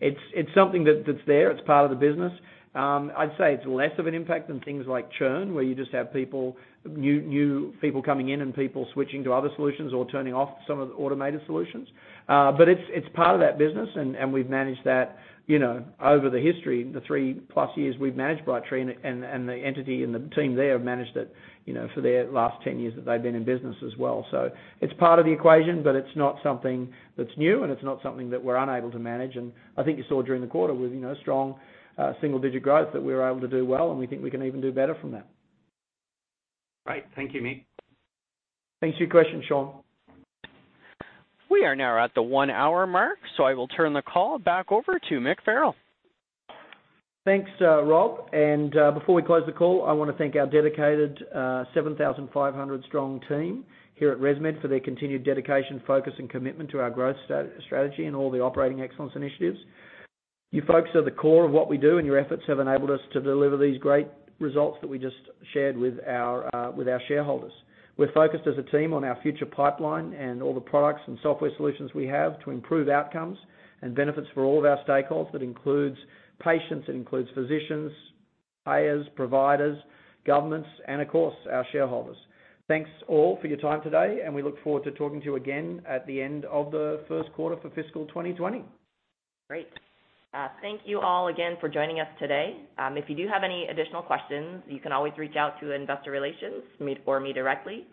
It's something that's there. It's part of the business. I'd say it's less of an impact than things like churn, where you just have new people coming in and people switching to other solutions or turning off some of the automated solutions. It's part of that business, and we've managed that over the history, the +3 years we've managed Brightree, and the entity and the team there have managed it for the last 10 years that they've been in business as well. It's part of the equation, but it's not something that's new, and it's not something that we're unable to manage. I think you saw during the quarter with strong single-digit growth that we were able to do well, and we think we can even do better from that. Right. Thank you, Mick. Thanks for your question, Sean. We are now at the one-hour mark, so I will turn the call back over to Mick Farrell. Thanks, Rob. Before we close the call, I want to thank our dedicated, 7,500 strong team here at ResMed for their continued dedication, focus, and commitment to our growth strategy and all the operating excellence initiatives. You folks are the core of what we do, and your efforts have enabled us to deliver these great results that we just shared with our shareholders. We're focused as a team on our future pipeline and all the products and software solutions we have to improve outcomes and benefits for all of our stakeholders. That includes patients, it includes physicians, payers, providers, governments, and of course, our shareholders. Thanks all for your time today, and we look forward to talking to you again at the end of the first quarter for fiscal 2020. Great. Thank you all again for joining us today. If you do have any additional questions, you can always reach out to investor relations or me directly.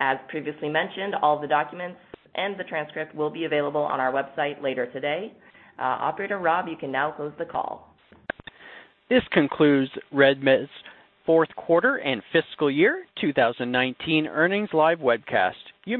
As previously mentioned, all of the documents and the transcript will be available on our website later today. Operator Rob, you can now close the call. This concludes ResMed's fourth quarter and fiscal year 2019 earnings live webcast.